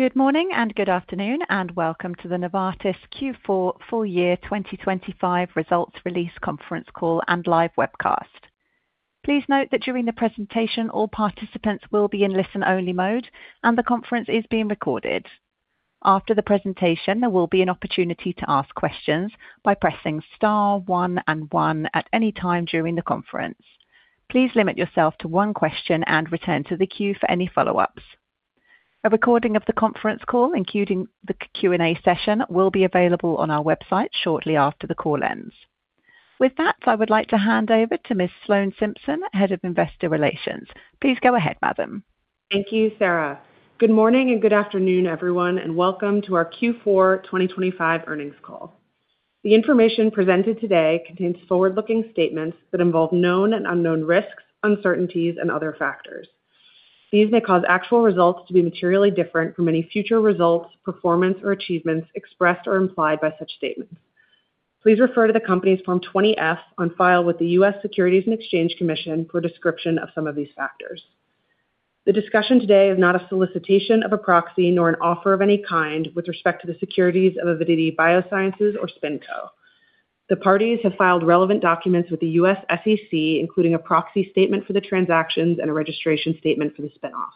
Good morning and good afternoon, and welcome to the Novartis Q4 full year 2025 Results Release Conference Call and Live Webcast. Please note that during the presentation all participants will be in listen-only mode, and the conference is being recorded. After the presentation there will be an opportunity to ask questions by pressing star 1 and 1 at any time during the conference. Please limit yourself to one question and return to the queue for any follow-ups. A recording of the conference call including the Q&A session will be available on our website shortly after the call ends. With that I would like to hand over to Ms. Sloan Simpson, Head of Investor Relations. Please go ahead, Madam. Thank you, Sarah. Good morning and good afternoon, everyone, and welcome to our Q4 2025 earnings call. The information presented today contains forward-looking statements that involve known and unknown risks, uncertainties, and other factors. These may cause actual results to be materially different from any future results, performance, or achievements expressed or implied by such statements. Please refer to the company's Form 20-F on file with the U.S. Securities and Exchange Commission for a description of some of these factors. The discussion today is not a solicitation of a proxy nor an offer of any kind with respect to the securities of Avidity Biosciences or SpinCo. The parties have filed relevant documents with the U.S. SEC including a proxy statement for the transactions and a registration statement for the spinoff.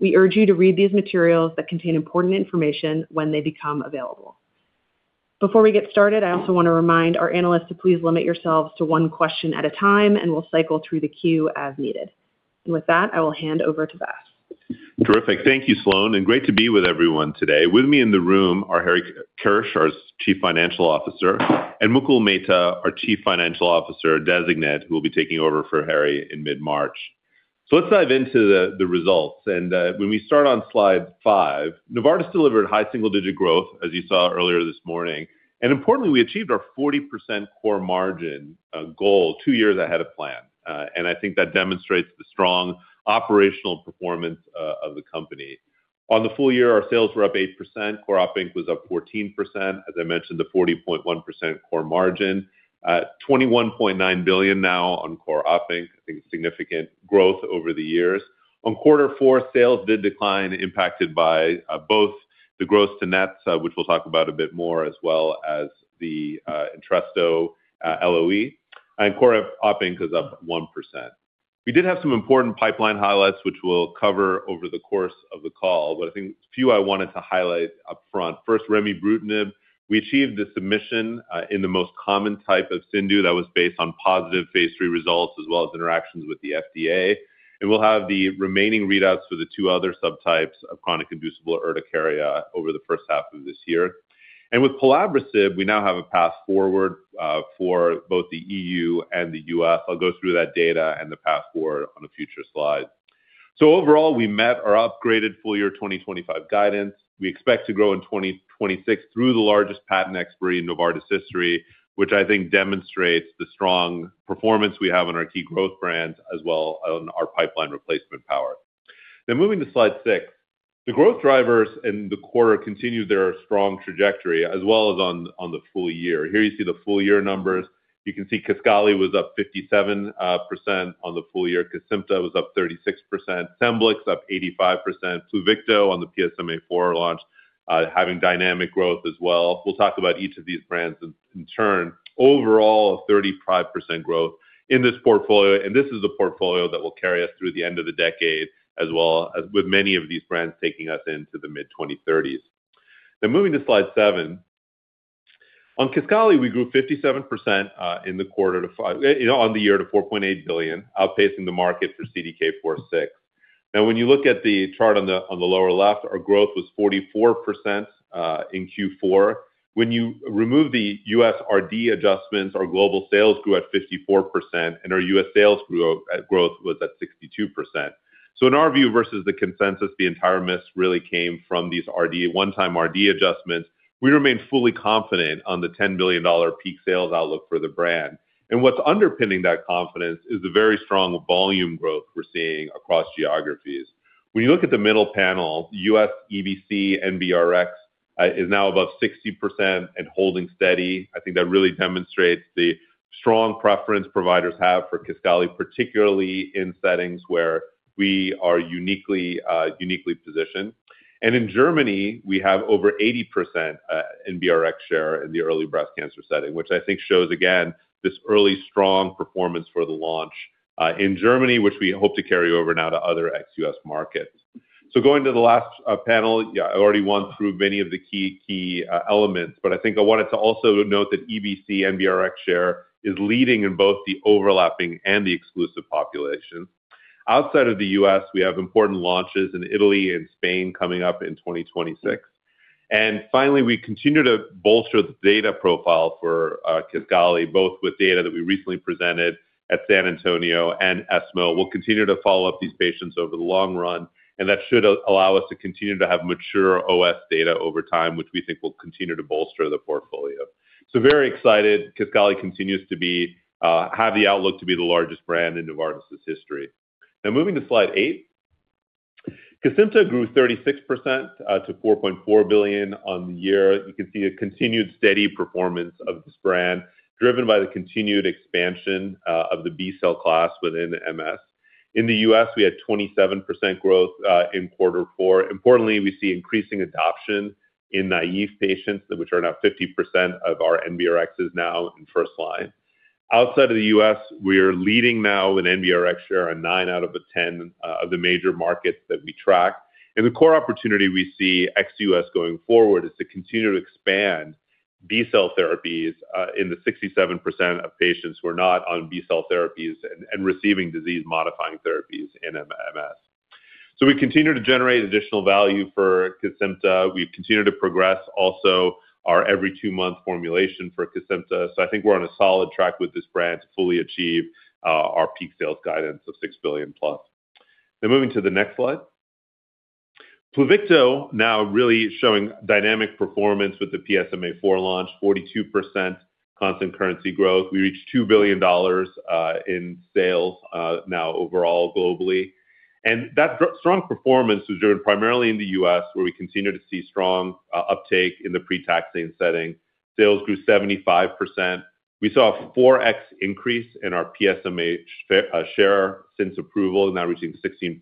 We urge you to read these materials that contain important information when they become available. Before we get started, I also want to remind our analysts to please limit yourselves to one question at a time, and we'll cycle through the queue as needed. With that, I will hand over to Vas. Terrific. Thank you, Sloan, and great to be with everyone today. With me in the room are Harry Kirsch, our Chief Financial Officer, and Mukul Mehta, our Chief Financial Officer designate who will be taking over for Harry in mid-March. So let's dive into the results. When we start on slide five, Novartis delivered high single-digit growth as you saw earlier this morning, and importantly we achieved our 40% core margin goal two years ahead of plan. I think that demonstrates the strong operational performance of the company. On the full year our sales were up 8%, core operating income was up 14%, as I mentioned the 40.1% core margin. At 21.9 billion now on core operating income, I think it's significant growth over the years. In Q4 sales did decline, impacted by both the gross-to-net, which we'll talk about a bit more, as well as the Entresto LOE, and core operating income is up 1%. We did have some important pipeline highlights which we'll cover over the course of the call, but I think a few I wanted to highlight up front. First, remibrutinib. We achieved the submission in the most common type of CIndU that was based on positive phase III results as well as interactions with the FDA. We'll have the remaining readouts for the two other subtypes of chronic inducible urticaria over the first half of this year. With pelabresib we now have a path forward for both the E.U. and the U.S. I'll go through that data and the path forward on a future slide. So overall we met our upgraded full year 2025 guidance. We expect to grow in 2026 through the largest patent expiry in Novartis history, which I think demonstrates the strong performance we have on our key growth brands as well on our pipeline replacement power. Now moving to slide six. The growth drivers in the quarter continued their strong trajectory as well as on the full year. Here you see the full year numbers. You can see Kisqali was up 57% on the full year, Kesimpta was up 36%, Scemblix up 85%, Pluvicto on the PSMA launch having dynamic growth as well. We'll talk about each of these brands in turn. Overall a 35% growth in this portfolio, and this is the portfolio that will carry us through the end of the decade as well as with many of these brands taking us into the mid-2030s. Now moving to slide seven. On Kisqali we grew 57% in the quarter to on the year to 4.8 billion, outpacing the market for CDK4/6. Now when you look at the chart on the lower left, our growth was 44% in Q4. When you remove the U.S. RD adjustments, our global sales grew at 54%, and our U.S. sales growth was at 62%. So in our view versus the consensus, the entire miss really came from these RD one-time RD adjustments. We remain fully confident on the $10 billion peak sales outlook for the brand. And what's underpinning that confidence is the very strong volume growth we're seeing across geographies. When you look at the middle panel, U.S. EBC NBRX is now above 60% and holding steady. I think that really demonstrates the strong preference providers have for Kisqali, particularly in settings where we are uniquely positioned. In Germany we have over 80% NBRX share in the early breast cancer setting, which I think shows again this early strong performance for the launch in Germany, which we hope to carry over now to other ex-U.S. markets. Going to the last panel, yeah, I already went through many of the key, key elements, but I think I wanted to also note that EBC NBRX share is leading in both the overlapping and the exclusive population. Outside of the U.S. we have important launches in Italy and Spain coming up in 2026. Finally we continue to bolster the data profile for Kisqali, both with data that we recently presented at San Antonio and ESMO. We'll continue to follow up these patients over the long run, and that should allow us to continue to have mature OS data over time, which we think will continue to bolster the portfolio. So very excited. Kisqali continues to have the outlook to be the largest brand in Novartis's history. Now moving to slide eight. Kesimpta grew 36% to $4.4 billion on the year. You can see a continued steady performance of this brand driven by the continued expansion of the B cell class within MS. In the U.S. we had 27% growth in quarter four. Importantly, we see increasing adoption in naive patients, which are now 50% of our NBRXs now in first line. Outside of the U.S. we are leading now in NBRX share on 9 out of 10 of the major markets that we track. The core opportunity we see ex-U.S. going forward is to continue to expand B cell therapies in the 67% of patients who are not on B cell therapies and receiving disease-modifying therapies in MS. So we continue to generate additional value for Kesimpta. We've continued to progress also our every-two-month formulation for Kesimpta. So I think we're on a solid track with this brand to fully achieve our peak sales guidance of $6 billion+. Now moving to the next slide. Pluvicto now really showing dynamic performance with the PSMA for launch, 42% constant currency growth. We reached $2 billion in sales now overall globally. And that strong performance was driven primarily in the U.S. where we continue to see strong uptake in the pre-taxane setting. Sales grew 75%. We saw a 4x increase in our PSMA share since approval, now reaching 16%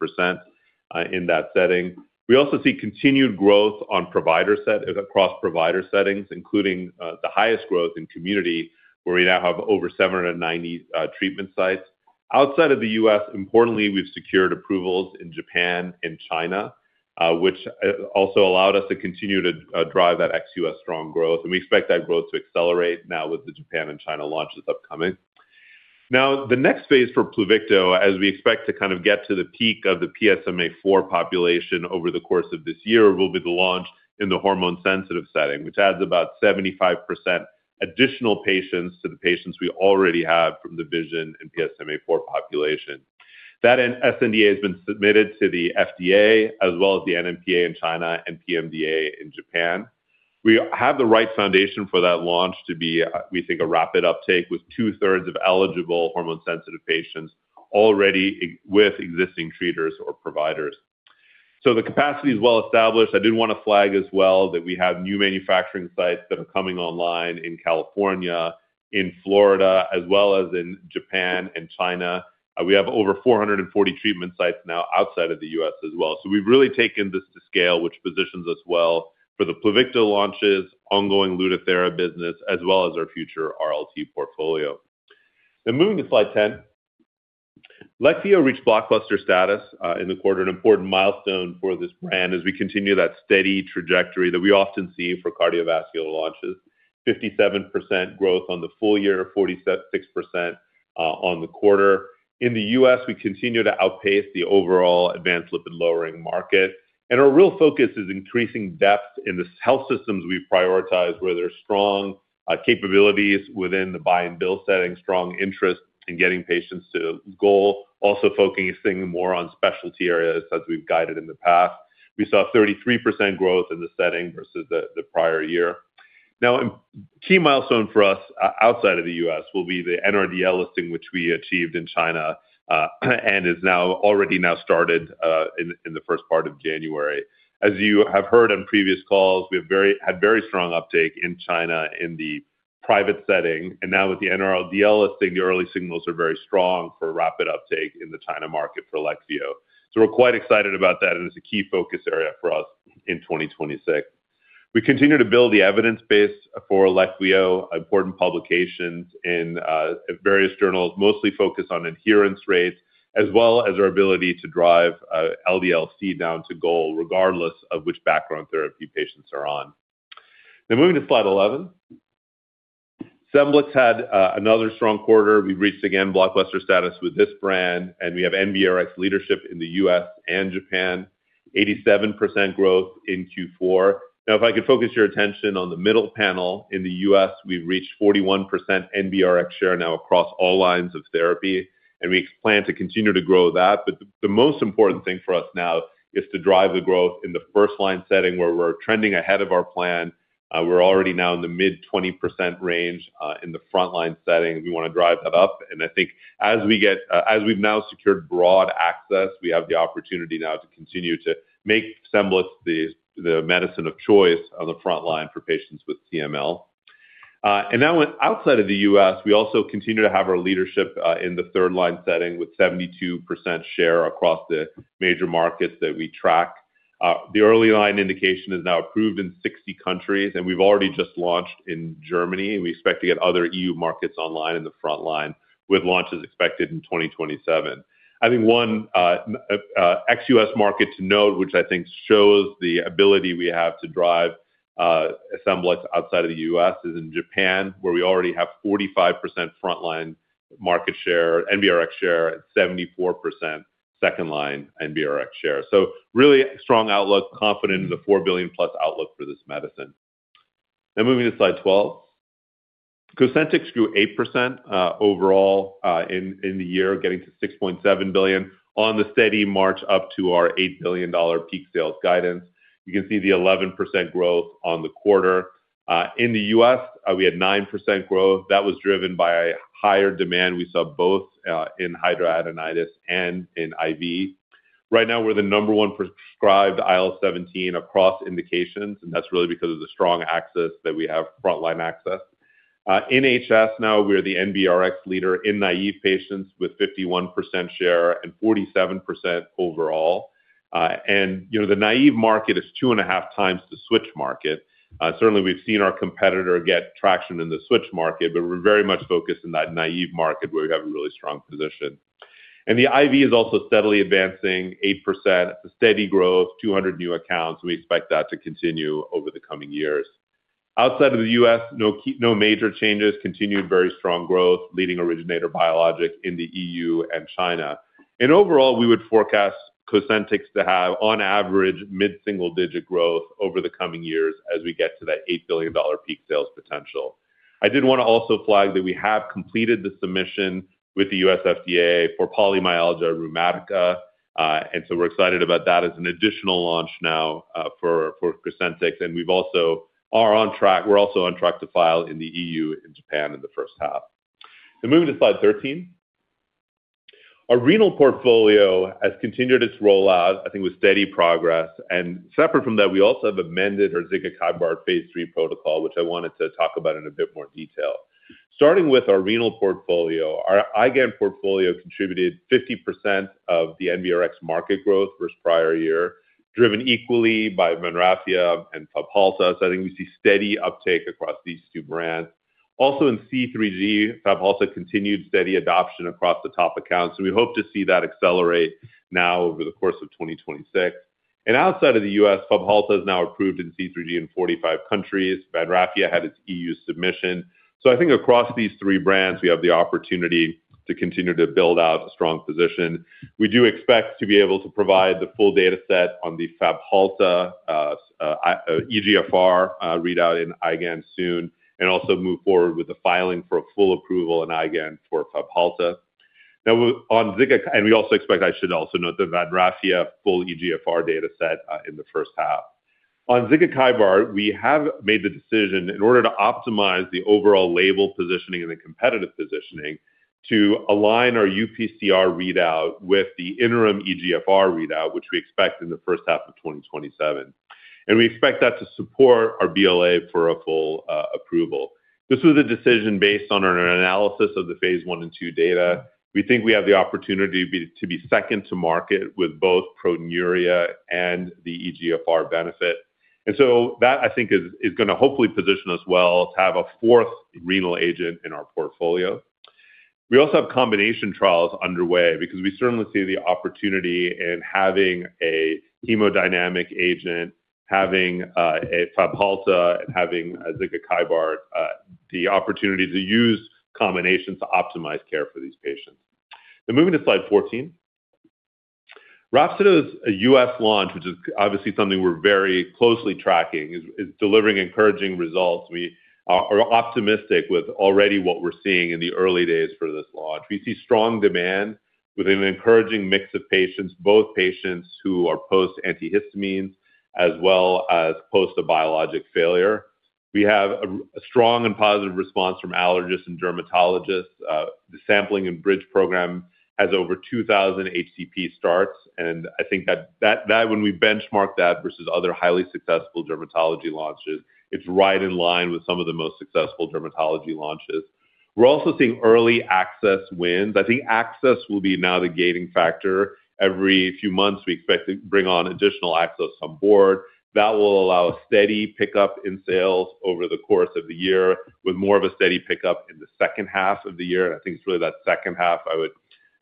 in that setting. We also see continued growth on provider set across provider settings, including the highest growth in community where we now have over 790 treatment sites. Outside of the U.S., importantly, we've secured approvals in Japan and China, which also allowed us to continue to drive that ex-U.S. strong growth. And we expect that growth to accelerate now with the Japan and China launches upcoming. Now the next phase for Pluvicto, as we expect to kind of get to the peak of the PSMAfore population over the course of this year, will be the launch in the hormone-sensitive setting, which adds about 75% additional patients to the patients we already have from the Vision and PSMAfore population. That SNDA has been submitted to the FDA as well as the NMPA in China and PMDA in Japan. We have the right foundation for that launch to be, we think, a rapid uptake with two-thirds of eligible hormone-sensitive patients already with existing treaters or providers. So the capacity is well established. I did want to flag as well that we have new manufacturing sites that are coming online in California, in Florida, as well as in Japan and China. We have over 440 treatment sites now outside of the U.S. as well. So we've really taken this to scale, which positions us well for the Pluvicto launches, ongoing Lutathera business, as well as our future RLT portfolio. Now moving to slide 10. Leqvio reached blockbuster status in the quarter. An important milestone for this brand as we continue that steady trajectory that we often see for cardiovascular launches. 57% growth on the full year, 46% on the quarter. In the U.S. we continue to outpace the overall advanced lipid-lowering market. Our real focus is increasing depth in the health systems we've prioritized where there are strong capabilities within the buy-and-bill setting, strong interest in getting patients to goal, also focusing more on specialty areas as we've guided in the past. We saw 33% growth in the setting versus the prior year. Now a key milestone for us outside of the U.S. will be the NRDL listing, which we achieved in China and is already now started in the first part of January. As you have heard on previous calls, we had very strong uptake in China in the private setting, and now with the NRDL listing the early signals are very strong for rapid uptake in the China market for Leqvio. We're quite excited about that, and it's a key focus area for us in 2026. We continue to build the evidence base for Leqvio, important publications in various journals mostly focused on adherence rates as well as our ability to drive LDL-C down to goal regardless of which background therapy patients are on. Now moving to slide 11. Scemblix had another strong quarter. We've reached again blockbuster status with this brand, and we have NBRX leadership in the U.S. and Japan. 87% growth in Q4. Now if I could focus your attention on the middle panel. In the U.S. we've reached 41% NBRX share now across all lines of therapy, and we plan to continue to grow that. But the most important thing for us now is to drive the growth in the first line setting where we're trending ahead of our plan. We're already now in the mid-20% range in the front line setting. We want to drive that up. I think as we've now secured broad access, we have the opportunity now to continue to make Scemblix the medicine of choice on the front line for patients with CML. Now outside of the U.S. we also continue to have our leadership in the third line setting with 72% share across the major markets that we track. The early line indication is now approved in 60 countries, and we've already just launched in Germany. We expect to get other E.U. markets online in the front line with launches expected in 2027. I think one ex-U.S. market to note, which I think shows the ability we have to drive Scemblix outside of the U.S., is in Japan where we already have 45% front line market share, NBRX share, and 74% second line NBRX share. So really strong outlook, confident in the $4 billion+ outlook for this medicine. Now moving to slide 12. Cosentyx grew 8% overall in the year, getting to $6.7 billion on the steady march up to our $8 billion peak sales guidance. You can see the 11% growth on the quarter. In the U.S. we had 9% growth. That was driven by higher demand we saw both in hidradenitis and in IV. Right now we're the number one prescribed IL-17 across indications, and that's really because of the strong access that we have, front line access. In HS now we are the NBRX leader in naive patients with 51% share and 47% overall. And the naive market is two and a half times the switch market. Certainly we've seen our competitor get traction in the switch market, but we're very much focused in that naive market where we have a really strong position. And the IV is also steadily advancing, 8%. It's a steady growth, 200 new accounts, and we expect that to continue over the coming years. Outside of the U.S., no major changes, continued very strong growth, leading originator biologic in the E.U. and China. And overall we would forecast Cosentyx to have on average mid-single digit growth over the coming years as we get to that $8 billion peak sales potential. I did want to also flag that we have completed the submission with the U.S. FDA for polymyalgia rheumatica, and so we're excited about that as an additional launch now for Cosentyx. And we're also on track to file in the E.U. and Japan in the first half. Now moving to slide 13. Our renal portfolio has continued its rollout, I think, with steady progress. Separate from that we also have amended our zigakibart phase III protocol, which I wanted to talk about in a bit more detail. Starting with our renal portfolio, our IgAN portfolio contributed 50% of the NBRx market growth versus prior year, driven equally by VANRAFIA and Fabhalta. So I think we see steady uptake across these two brands. Also in C3G Fabhalta continued steady adoption across the top accounts, and we hope to see that accelerate now over the course of 2026. Outside of the U.S. Fabhalta is now approved in C3G in 45 countries. VANRAFIA had its E.U. submission. So I think across these three brands we have the opportunity to continue to build out a strong position. We do expect to be able to provide the full data set on the Fabhalta eGFR readout in IgAN soon, and also move forward with the filing for a full approval in IgAN for Fabhalta. Now on Zigakibart and we also expect I should also note the VANRAFIA full eGFR data set in the first half. On Zigakibart we have made the decision in order to optimize the overall label positioning and the competitive positioning to align our UPCR readout with the interim eGFR readout, which we expect in the first half of 2027. And we expect that to support our BLA for a full approval. This was a decision based on an analysis of the phase I and II data. We think we have the opportunity to be second to market with both proteinuria and the eGFR benefit. So that I think is going to hopefully position us well to have a fourth renal agent in our portfolio. We also have combination trials underway because we certainly see the opportunity in having a hemodynamic agent, having a Fabhalta, and having a zigakibart, the opportunity to use combinations to optimize care for these patients. Now moving to slide 14. Rhapsido's U.S. launch, which is obviously something we're very closely tracking, is delivering encouraging results. We are optimistic with already what we're seeing in the early days for this launch. We see strong demand with an encouraging mix of patients, both patients who are post-antihistamines as well as post-biologic failure. We have a strong and positive response from allergists and dermatologists. The sampling and bridge program has over 2,000 HCP starts, and I think that when we benchmark that versus other highly successful dermatology launches, it's right in line with some of the most successful dermatology launches. We're also seeing early access wins. I think access will be now the gating factor. Every few months we expect to bring on additional access on board. That will allow a steady pickup in sales over the course of the year with more of a steady pickup in the second half of the year. And I think it's really that second half I would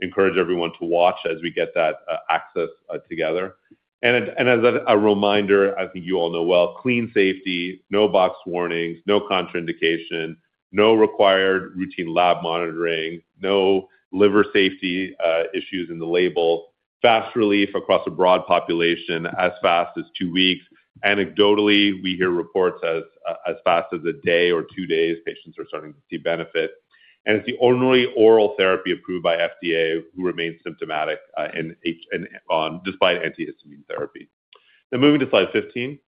encourage everyone to watch as we get that access together. And as a reminder, I think you all know well, clean safety, no box warnings, no contraindication, no required routine lab monitoring, no liver safety issues in the label, fast relief across a broad population as fast as two weeks. Anecdotally, we hear reports as fast as a day or two days patients are starting to see benefit. And it's the only oral therapy approved by FDA who remains symptomatic despite antihistamine therapy. Now moving to slide 15.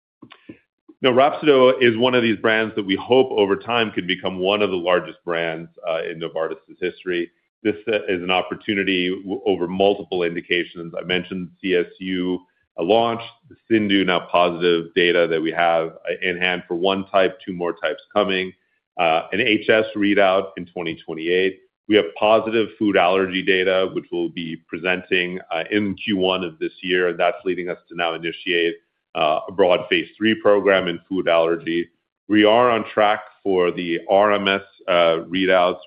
Now Rhapsido is one of these brands that we hope over time could become one of the largest brands in Novartis's history. This is an opportunity over multiple indications. I mentioned CSU launch, the CIndU now positive data that we have in hand for one type, two more types coming, an HS readout in 2028. We have positive food allergy data, which we'll be presenting in Q1 of this year. That's leading us to now initiate a broad phase III program in food allergy. We are on track for the RMS readouts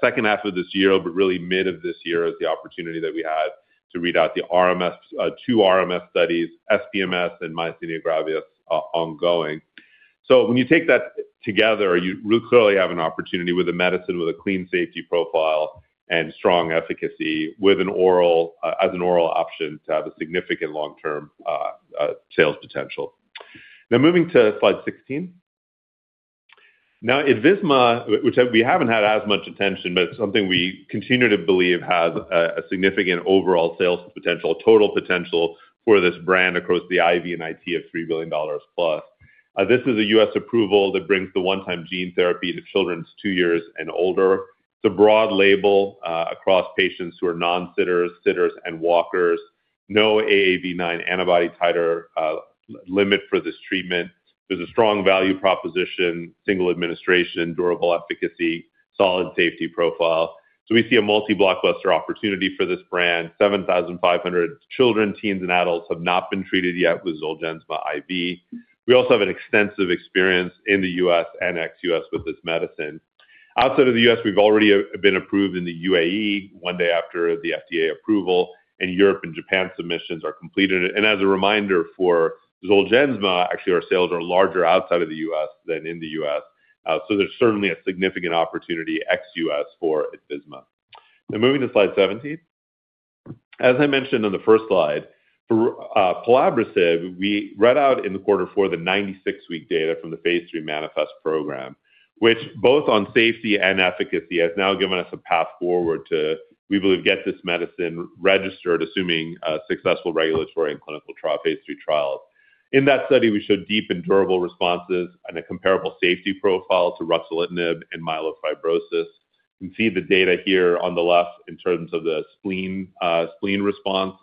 second half of this year, but really mid of this year is the opportunity that we had to readout the two RMS studies, SPMS and Myasthenia Gravis, ongoing. So when you take that together, you really clearly have an opportunity with a medicine with a clean safety profile and strong efficacy as an oral option to have a significant long-term sales potential. Now moving to slide 16. Now ITVISMA, which we haven't had as much attention, but it's something we continue to believe has a significant overall sales potential, total potential for this brand across the IV and IT of $3 billion+. This is a U.S. approval that brings the one-time gene therapy to children's two years and older. It's a broad label across patients who are nonsitters, sitters, and walkers. No AAV9 antibody titer limit for this treatment. There's a strong value proposition, single administration, durable efficacy, solid safety profile. So we see a multi-blockbuster opportunity for this brand. 7,500 children, teens, and adults have not been treated yet with Zolgensma IV. We also have an extensive experience in the U.S. and ex-U.S. with this medicine. Outside of the U.S., we've already been approved in the UAE one day after the FDA approval, and Europe and Japan submissions are completed. As a reminder for Zolgensma, actually our sales are larger outside of the U.S. than in the U.S. So there's certainly a significant opportunity ex-U.S. for ITVISMA. Now moving to slide 17. As I mentioned on the first slide, for pelabresib, we read out in quarter four the 96-week data from the phase III manifest program, which both on safety and efficacy has now given us a path forward to, we believe, get this medicine registered, assuming successful regulatory and clinical phase III trials. In that study, we showed deep and durable responses and a comparable safety profile to ruxolitinib and myelofibrosis. You can see the data here on the left in terms of the spleen response.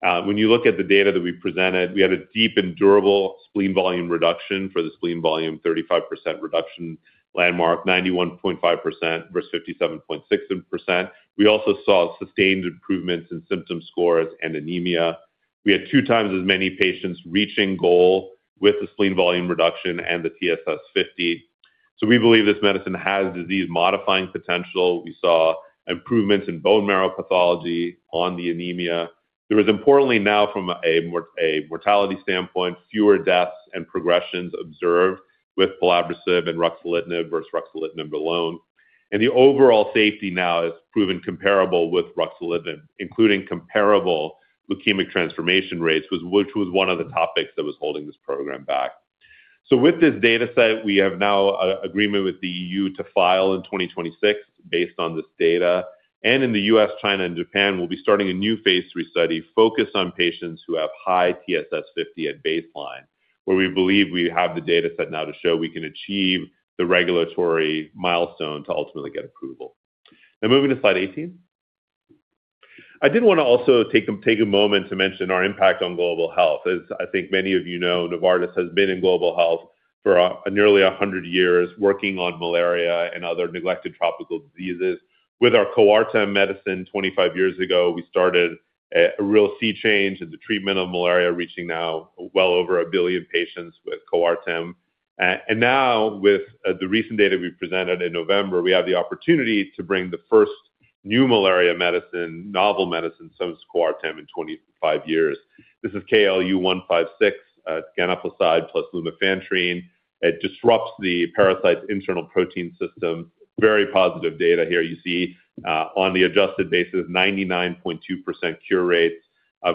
When you look at the data that we presented, we had a deep and durable spleen volume reduction for the spleen volume 35% reduction landmark, 91.5% versus 57.6%. We also saw sustained improvements in symptom scores and anemia. We had two times as many patients reaching goal with the spleen volume reduction and the TSS 50. So we believe this medicine has disease-modifying potential. We saw improvements in bone marrow pathology on the anemia. There was importantly now from a mortality standpoint fewer deaths and progressions observed with pelabresib and ruxolitinib versus ruxolitinib alone. The overall safety now is proven comparable with ruxolitinib, including comparable leukemic transformation rates, which was one of the topics that was holding this program back. With this data set, we have now an agreement with the E.U. to file in 2026 based on this data. In the U.S., China, and Japan, we'll be starting a new phase III study focused on patients who have high TSS 50 at baseline, where we believe we have the data set now to show we can achieve the regulatory milestone to ultimately get approval. Now moving to slide 18. I did want to also take a moment to mention our impact on global health. As I think many of you know, Novartis has been in global health for nearly 100 years, working on malaria and other neglected tropical diseases. With our Coartem medicine 25 years ago, we started a real sea change in the treatment of malaria, reaching now well over a billion patients with Coartem. And now with the recent data we presented in November, we have the opportunity to bring the first new malaria medicine, novel medicine, such as Coartem, in 25 years. This is KAF156, ganaplacide plus lumefantrine. It disrupts the parasite's internal protein system. Very positive data here. You see on the adjusted basis, 99.2% cure rate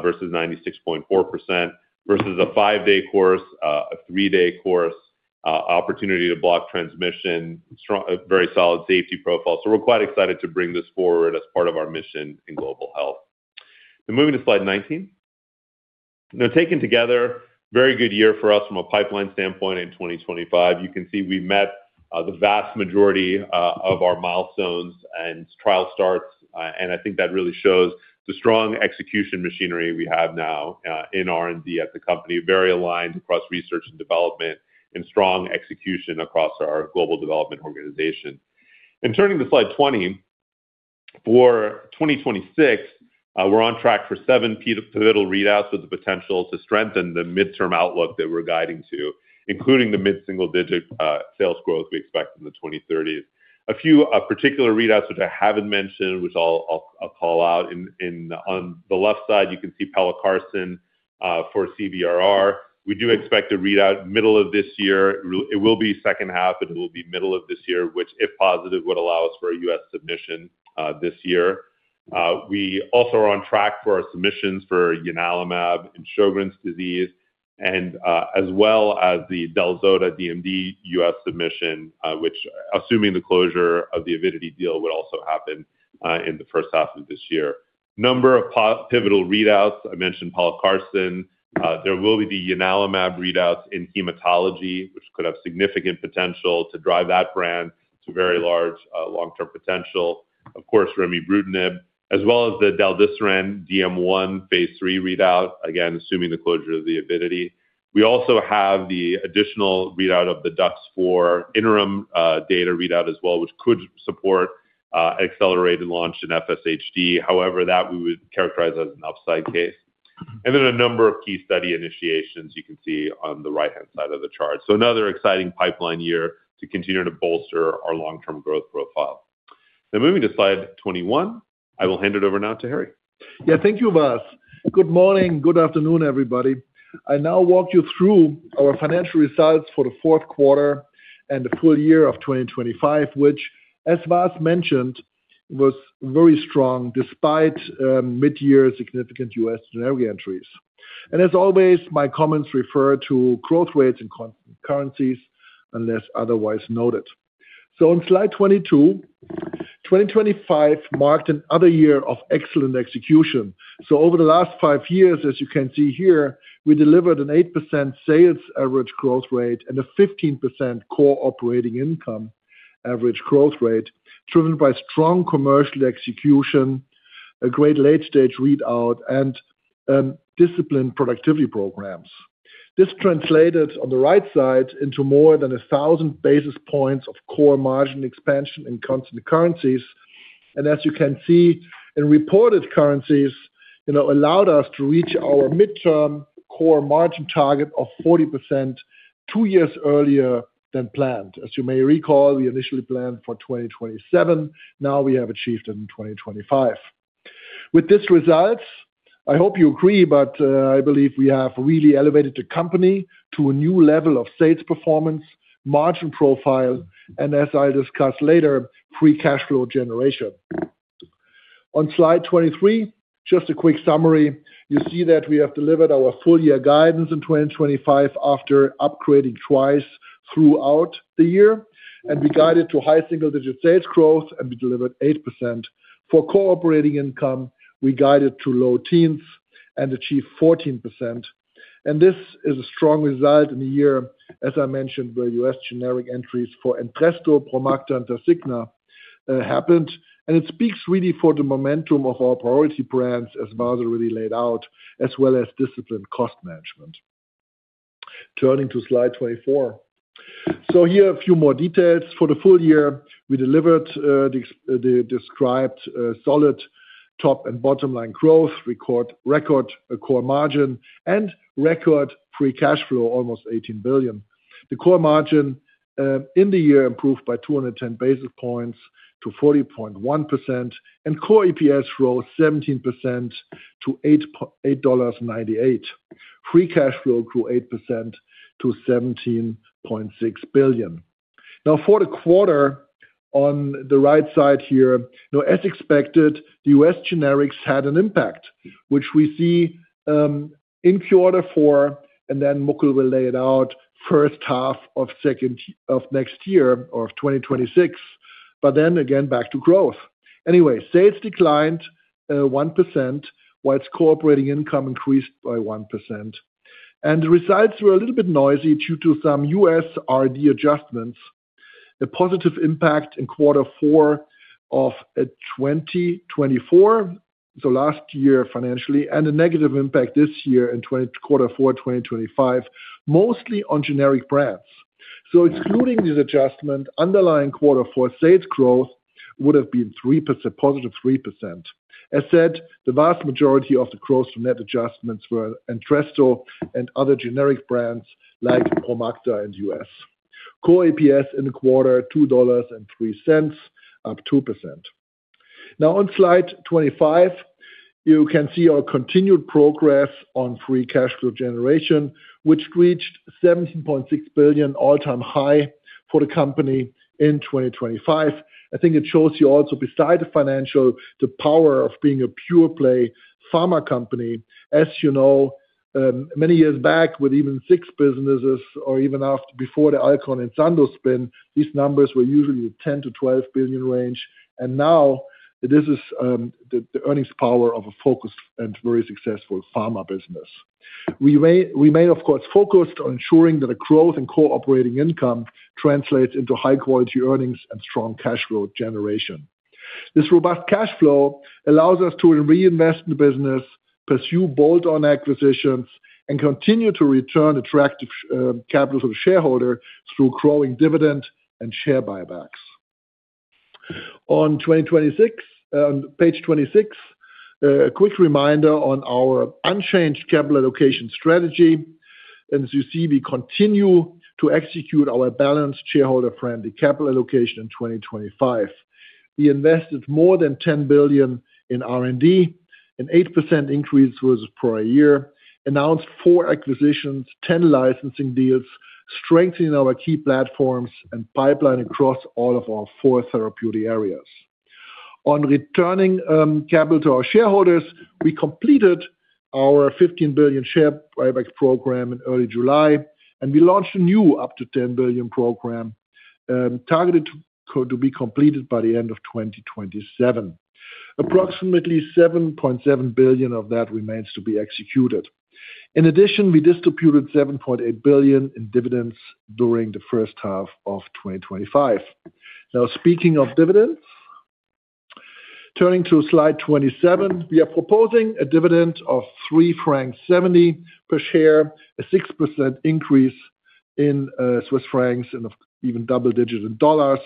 versus 96.4% versus a five-day course, a three-day course, opportunity to block transmission, very solid safety profile. So we're quite excited to bring this forward as part of our mission in global health. Now moving to slide 19. Now taken together, very good year for us from a pipeline standpoint in 2025. You can see we've met the vast majority of our milestones and trial starts. And I think that really shows the strong execution machinery we have now in R&D at the company, very aligned across research and development and strong execution across our global development organization. And turning to slide 20. For 2026, we're on track for seven pivotal readouts with the potential to strengthen the midterm outlook that we're guiding to, including the mid-single digit sales growth we expect in the 2030s. A few particular readouts which I haven't mentioned, which I'll call out. On the left side, you can see Pelacarsen for CVRR. We do expect a readout middle of this year. It will be second half, and it will be middle of this year, which if positive, would allow us for a U.S. submission this year. We also are on track for our submissions for ianalumab and Sjögren's disease, and as well as the Delpacibart zotadirsen DMD U.S. submission, which assuming the closure of the Avidity deal would also happen in the first half of this year. Number of pivotal readouts. I mentioned Pelacarsen. There will be the ianalumab readouts in hematology, which could have significant potential to drive that brand to very large long-term potential. Of course, Remibrutinib, as well as the Delpacibart etedesiran DM1 phase III readout, again, assuming the closure of the Avidity. We also have the additional readout of the DUX4 interim data readout as well, which could support an accelerated launch in FSHD. However, that we would characterize as an upside case. And then a number of key study initiations you can see on the right-hand side of the chart. So another exciting pipeline year to continue to bolster our long-term growth profile. Now moving to slide 21. I will hand it over now to Harry. Yeah, thank you, Vas. Good morning. Good afternoon, everybody. I now walk you through our financial results for the fourth quarter and the full year of 2025, which, as Vas mentioned, was very strong despite midyear significant U.S. generic entries. And as always, my comments refer to growth rates in constant currencies unless otherwise noted. So on slide 22, 2025 marked another year of excellent execution. So over the last five years, as you can see here, we delivered an 8% sales average growth rate and a 15% core operating income average growth rate driven by strong commercial execution, a great late-stage readout, and disciplined productivity programs. This translated on the right side into more than 1,000 basis points of core margin expansion in constant currencies. And as you can see, in reported currencies, allowed us to reach our midterm core margin target of 40% two years earlier than planned. As you may recall, we initially planned for 2027. Now we have achieved it in 2025. With these results, I hope you agree, but I believe we have really elevated the company to a new level of sales performance, margin profile, and as I'll discuss later, free cash flow generation. On slide 23, just a quick summary. You see that we have delivered our full-year guidance in 2025 after upgrading twice throughout the year. We guided to high single-digit sales growth, and we delivered 8%. For core operating income, we guided to low teens and achieved 14%. This is a strong result in a year, as I mentioned, where U.S. generic entries for Entresto, Promacta, and Tasigna happened. It speaks really for the momentum of our priority brands, as Vas really laid out, as well as disciplined cost management. Turning to slide 24. So here are a few more details. For the full year, we delivered the described solid top and bottom line growth, record a core margin, and record free cash flow, almost 18 billion. The core margin in the year improved by 210 basis points to 40.1%, and core EPS rose 17% to $8.98. Free cash flow grew 8% to 17.6 billion. Now for the quarter, on the right side here, as expected, the U.S. generics had an impact, which we see in Q4, and then Mukul will lay it out, first half of next year or of 2026, but then again back to growth. Anyway, sales declined 1% while its operating income increased by 1%. And the results were a little bit noisy due to some U.S. R&D adjustments. A positive impact in quarter four of 2024, so last year financially, and a negative impact this year in quarter four 2025, mostly on generic brands. So excluding these adjustments, underlying quarter four sales growth would have been positive 3%. As said, the vast majority of the growth from net adjustments were Entresto and other generic brands like Promacta in the U.S. Core EPS in the quarter, $2.03, up 2%. Now on slide 25, you can see our continued progress on free cash flow generation, which reached $17.6 billion, all-time high for the company in 2025. I think it shows you also, beside the financial, the power of being a pure-play pharma company. As you know, many years back, with even six businesses or even before the Alcon and Sandoz spin, these numbers were usually the $10-$12 billion range. Now this is the earnings power of a focused and very successful pharma business. We remain, of course, focused on ensuring that the growth and core operating income translates into high-quality earnings and strong cash flow generation. This robust cash flow allows us to reinvest in the business, pursue bolt-on acquisitions, and continue to return attractive capital to the shareholder through growing dividend and share buybacks. On page 26, a quick reminder on our unchanged capital allocation strategy. As you see, we continue to execute our balanced, shareholder-friendly capital allocation in 2025. We invested more than $10 billion in R&D, an 8% increase versus prior year, announced four acquisitions, 10 licensing deals, strengthening our key platforms and pipeline across all of our four therapeutic areas. On returning capital to our shareholders, we completed our 15 billion share buyback program in early July, and we launched a new up to 10 billion program targeted to be completed by the end of 2027. Approximately 7.7 billion of that remains to be executed. In addition, we distributed 7.8 billion in dividends during the first half of 2025. Now speaking of dividends, turning to slide 27, we are proposing a dividend of 3.70 francs per share, a 6% increase in Swiss francs and even double-digit in dollars.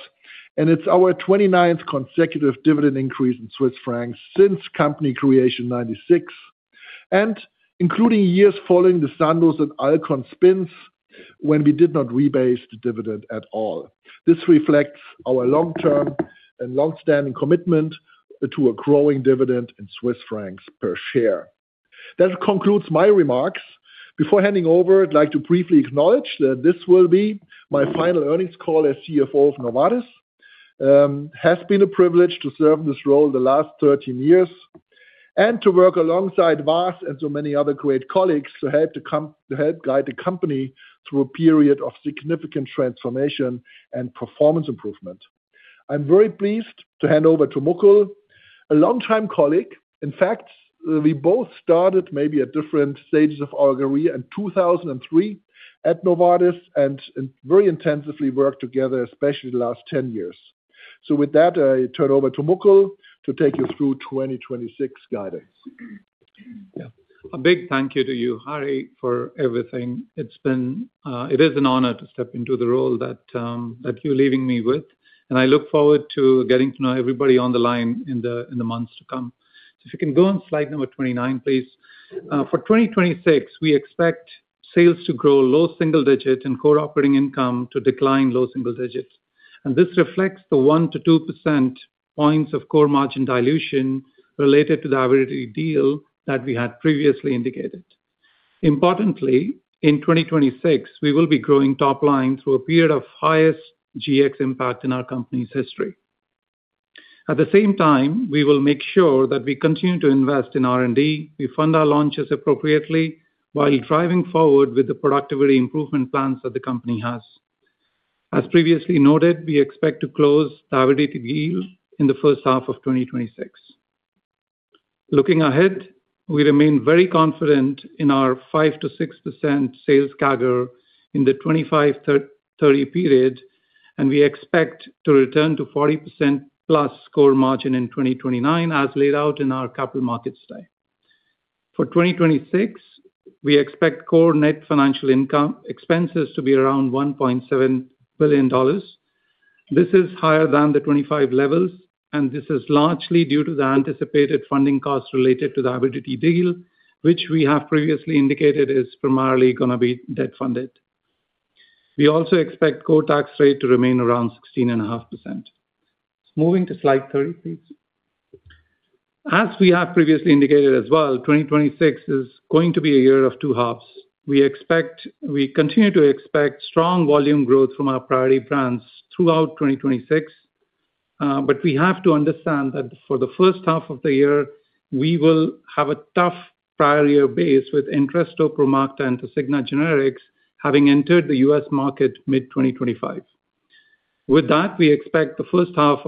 And it's our 29th consecutive dividend increase in Swiss francs since company creation 1996, and including years following the Sandoz and Alcon spins when we did not rebase the dividend at all. This reflects our long-term and longstanding commitment to a growing dividend in Swiss francs per share. That concludes my remarks. Before handing over, I'd like to briefly acknowledge that this will be my final earnings call as CFO of Novartis. It has been a privilege to serve in this role the last 13 years and to work alongside Vas and so many other great colleagues to help guide the company through a period of significant transformation and performance improvement. I'm very pleased to hand over to Mukul, a longtime colleague. In fact, we both started maybe at different stages of our career in 2003 at Novartis and very intensively worked together, especially the last 10 years. So with that, I turn over to Mukul to take you through 2026 guidance. Yeah. A big thank you to you, Harry, for everything. It is an honor to step into the role that you're leaving me with. And I look forward to getting to know everybody on the line in the months to come. So if you can go on slide number 29, please. For 2026, we expect sales to grow low single digit and core operating income to decline low single digit. And this reflects the one-two percentage points of core margin dilution related to the Avidity deal that we had previously indicated. Importantly, in 2026, we will be growing top line through a period of highest GX impact in our company's history. At the same time, we will make sure that we continue to invest in R&D. We fund our launches appropriately while driving forward with the productivity improvement plans that the company has. As previously noted, we expect to close the Avidity deal in the first half of 2026. Looking ahead, we remain very confident in our 5%-6% sales CAGR in the 2025-2030 period, and we expect to return to 40%+ core margin in 2029, as laid out in our capital markets study. For 2026, we expect core net financial expenses to be around $1.7 billion. This is higher than the 2025 levels, and this is largely due to the anticipated funding cost related to the Avidity deal, which we have previously indicated is primarily going to be debt funded. We also expect the core tax rate to remain around 16.5%. Moving to slide 30, please. As we have previously indicated as well, 2026 is going to be a year of two halves. We continue to expect strong volume growth from our priority brands throughout 2026. We have to understand that for the first half of the year, we will have a tough prior year base with Entresto, Promacta, and Tasigna generics having entered the U.S. market mid-2025. With that, we expect the first half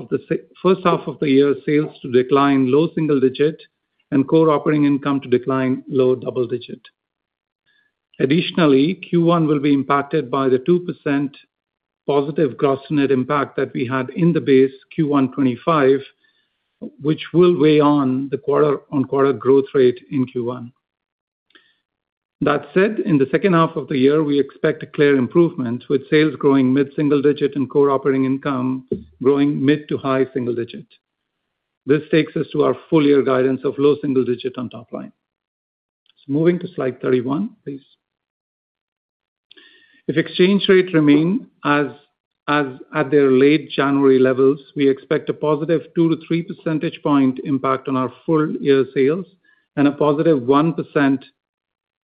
of the year sales to decline low single-digit and core operating income to decline low double-digit. Additionally, Q1 will be impacted by the 2% positive gross-to-net impact that we had in the base Q1 2025, which will weigh on the quarter-on-quarter growth rate in Q1. That said, in the second half of the year, we expect a clear improvement with sales growing mid-single-digit and core operating income growing mid- to high single-digit. This takes us to our full-year guidance of low single-digit on top line. So moving to slide 31, please. If exchange rates remain at their late January levels, we expect a positive two-three percentage point impact on our full-year sales and a positive one percentage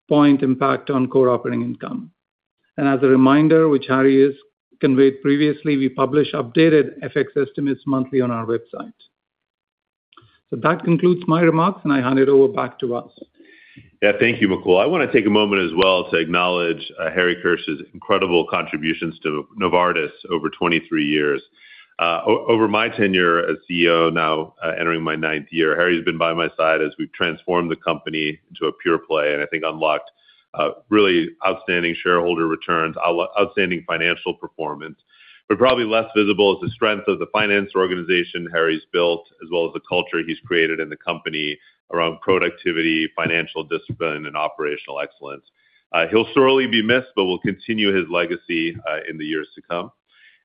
point impact on core operating income. As a reminder, which Harry conveyed previously, we publish updated FX estimates monthly on our website. That concludes my remarks, and I hand it over back to Vas. Yeah, thank you, Mukul. I want to take a moment as well to acknowledge Harry Kirsch's incredible contributions to Novartis over 23 years. Over my tenure as CEO, now entering my ninth year, Harry has been by my side as we've transformed the company into a pure play and, I think, unlocked really outstanding shareholder returns, outstanding financial performance, but probably less visible as the strength of the finance organization Harry's built, as well as the culture he's created in the company around productivity, financial discipline, and operational excellence. He'll sorely be missed, but will continue his legacy in the years to come.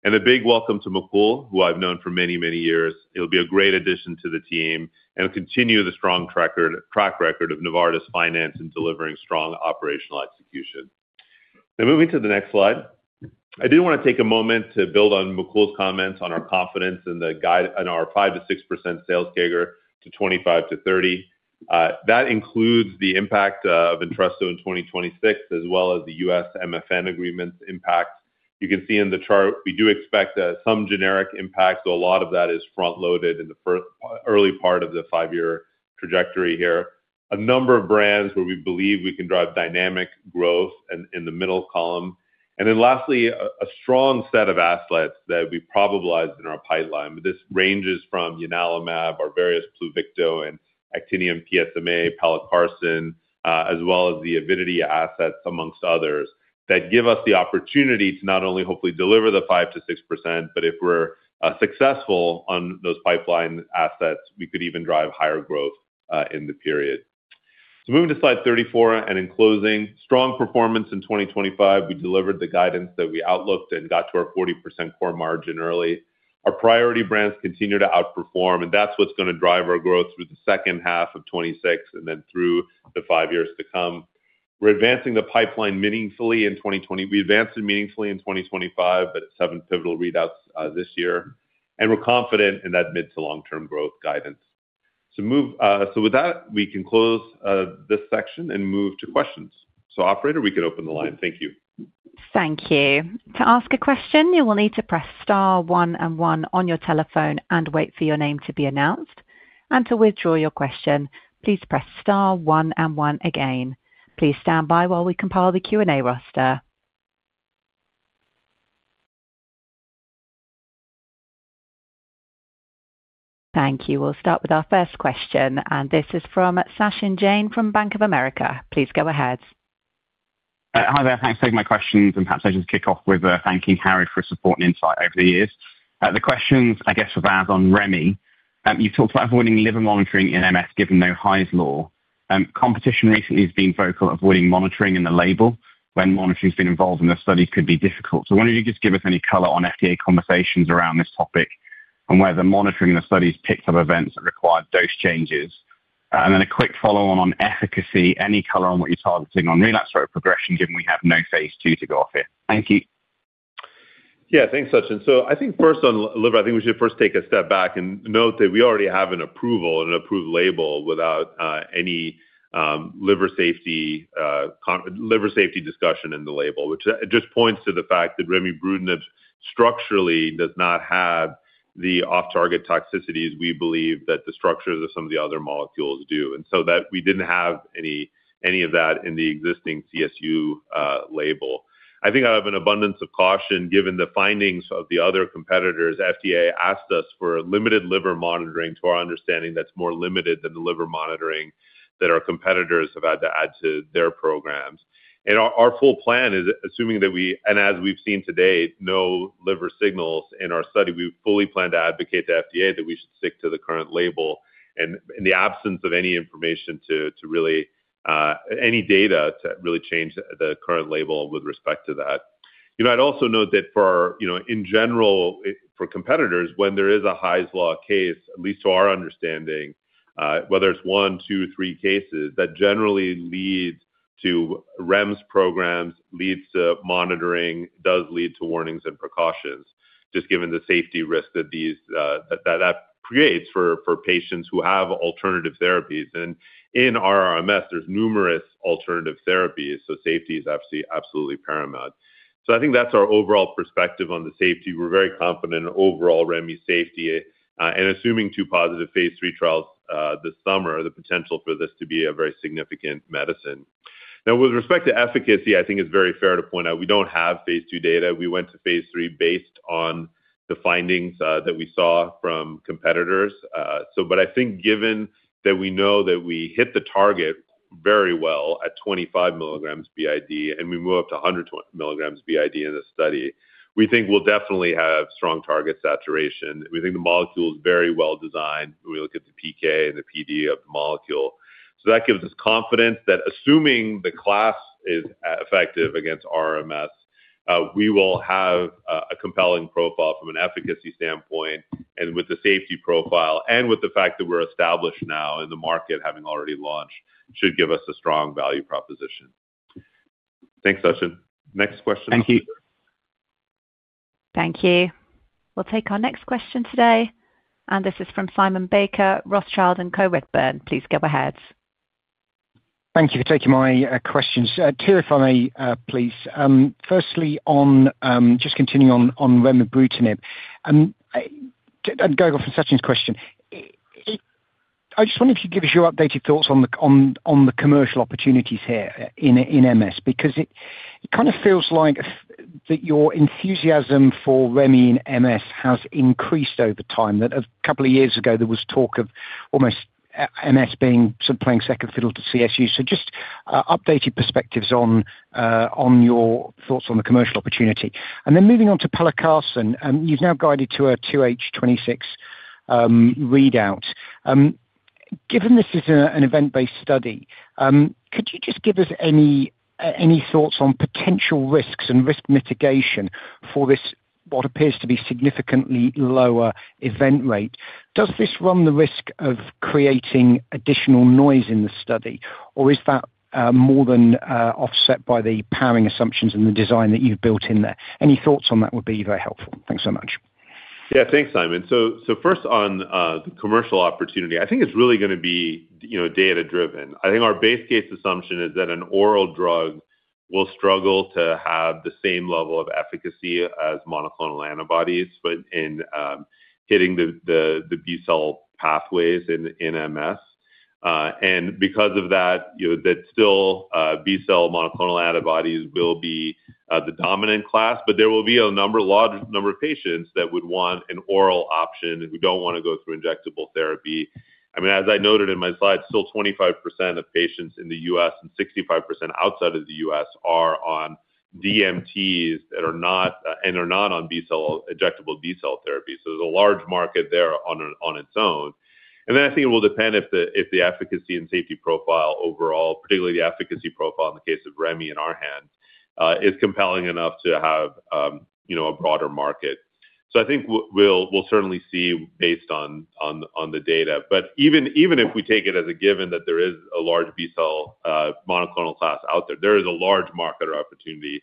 And a big welcome to Mukul, who I've known for many, many years. He'll be a great addition to the team and continue the strong track record of Novartis finance in delivering strong operational execution. Now moving to the next slide. I did want to take a moment to build on Mukul's comments on our confidence in our 5%-6% sales CAGR to 2025-2030. That includes the impact of Entresto in 2026, as well as the U.S. MFN agreement's impact. You can see in the chart, we do expect some generic impacts, though a lot of that is front-loaded in the early part of the 5-year trajectory here. A number of brands where we believe we can drive dynamic growth in the middle column. And then lastly, a strong set of assets that we probabilized in our pipeline. This ranges from ianalumab, our various Pluvicto, and Actinium PSMA, Pelacarsen, as well as the Avidity assets, among others, that give us the opportunity to not only hopefully deliver the 5%-6%, but if we're successful on those pipeline assets, we could even drive higher growth in the period. So moving to slide 34 and in closing, strong performance in 2025. We delivered the guidance that we outlooked and got to our 40% core margin early. Our priority brands continue to outperform, and that's what's going to drive our growth through the second half of 2026 and then through the five years to come. We're advancing the pipeline meaningfully in 2020. We advanced it meaningfully in 2025, but it's seven pivotal readouts this year. And we're confident in that mid to long-term growth guidance. So with that, we can close this section and move to questions. Operator, we can open the line. Thank you. Thank you. To ask a question, you will need to press star one and one on your telephone and wait for your name to be announced. And to withdraw your question, please press star one and one again. Please stand by while we compile the Q&A roster. Thank you. We'll start with our first question, and this is from Sachin Jain from Bank of America. Please go ahead. Hi there. Thanks for taking my questions. Perhaps I just kick off with thanking Harry for his support and insight over the years. The questions, I guess, for Vas on remibrutinib. You've talked about avoiding liver monitoring in MS given no Hy's Law. Competition recently has been vocal avoiding monitoring in the label when monitoring has been involved in the studies could be difficult. So why don't you just give us any color on FDA conversations around this topic and whether monitoring in the studies picked up events that required dose changes. Then a quick follow-on on efficacy, any color on what you're targeting on relapse rate progression given we have no phase II to go off here. Thank you. Yeah, thanks, Sachin. So I think first on liver, I think we should first take a step back and note that we already have an approval and an approved label without any liver safety discussion in the label, which just points to the fact that remibrutinib structurally does not have the off-target toxicities we believe that the structures of some of the other molecules do. And so we didn't have any of that in the existing CSU label. I think out of an abundance of caution, given the findings of the other competitors, FDA asked us for limited liver monitoring to our understanding that's more limited than the liver monitoring that our competitors have had to add to their programs. And our full plan is assuming that we and as we've seen today, no liver signals in our study. We fully plan to advocate to FDA that we should stick to the current label in the absence of any information to really any data to really change the current label with respect to that. I'd also note that in general, for competitors, when there is a Hy's Law case, at least to our understanding, whether it's one, two, three cases, that generally leads to REMS programs, leads to monitoring, does lead to warnings and precautions just given the safety risk that that creates for patients who have alternative therapies. In RRMS, there's numerous alternative therapies, so safety is absolutely paramount. So I think that's our overall perspective on the safety. We're very confident in overall Remy safety and assuming two positive phase III trials this summer, the potential for this to be a very significant medicine. Now, with respect to efficacy, I think it's very fair to point out we don't have phase II data. We went to phase III based on the findings that we saw from competitors. But I think given that we know that we hit the target very well at 25 milligrams b.i.d. and we move up to 120 milligrams b.i.d. in this study, we think we'll definitely have strong target saturation. We think the molecule is very well designed. We look at the PK and the PD of the molecule. So that gives us confidence that assuming the class is effective against RRMS, we will have a compelling profile from an efficacy standpoint. And with the safety profile and with the fact that we're established now in the market having already launched, should give us a strong value proposition. Thanks, Sachin. Next question. Thank you. Thank you. We'll take our next question today, and this is from Simon Baker, Rothschild & Co., Redburn. Please go ahead. Thank you for taking my questions. Two, if I may, please. Firstly, just continuing on remibrutinib and going off from Sachin's question, I just wonder if you could give us your updated thoughts on the commercial opportunities here in MS because it kind of feels like that your enthusiasm for remibrutinib in MS has increased over time. A couple of years ago, there was talk of almost MS playing second fiddle to CSU. So just updated perspectives on your thoughts on the commercial opportunity. And then moving on to Pelacarsen, you've now guided to a 2H26 readout. Given this is an event-based study, could you just give us any thoughts on potential risks and risk mitigation for this what appears to be significantly lower event rate? Does this run the risk of creating additional noise in the study, or is that more than offset by the powering assumptions and the design that you've built in there? Any thoughts on that would be very helpful. Thanks so much. Yeah, thanks, Simon. So first on the commercial opportunity, I think it's really going to be data-driven. I think our base case assumption is that an oral drug will struggle to have the same level of efficacy as monoclonal antibodies in hitting the B-cell pathways in MS. And because of that, still, B-cell monoclonal antibodies will be the dominant class, but there will be a large number of patients that would want an oral option who don't want to go through injectable therapy. I mean, as I noted in my slide, still 25% of patients in the U.S. and 65% outside of the U.S. are on DMTs and are not on injectable B-cell therapy. So there's a large market there on its own. And then I think it will depend if the efficacy and safety profile overall, particularly the efficacy profile in the case of Remy in our hands, is compelling enough to have a broader market. So I think we'll certainly see based on the data. But even if we take it as a given that there is a large B-cell monoclonal class out there, there is a large market or opportunity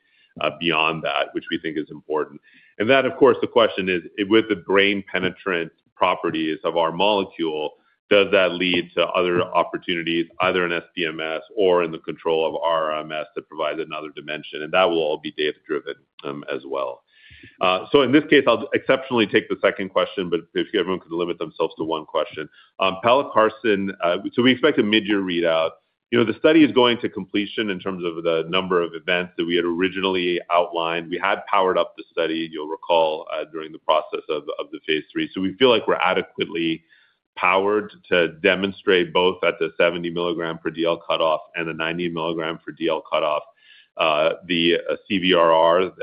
beyond that, which we think is important. And that, of course, the question is, with the brain-penetrant properties of our molecule, does that lead to other opportunities, either in SPMS or in the control of RRMS to provide another dimension? And that will all be data-driven as well. So in this case, I'll exceptionally take the second question, but if everyone could limit themselves to one question. Pelacarsen, so we expect a mid-year readout. The study is going to completion in terms of the number of events that we had originally outlined. We had powered up the study, you'll recall, during the process of the phase III. So we feel like we're adequately powered to demonstrate both at the 70 mg/dL cutoff and the 90 mg/dL cutoff, the CVRR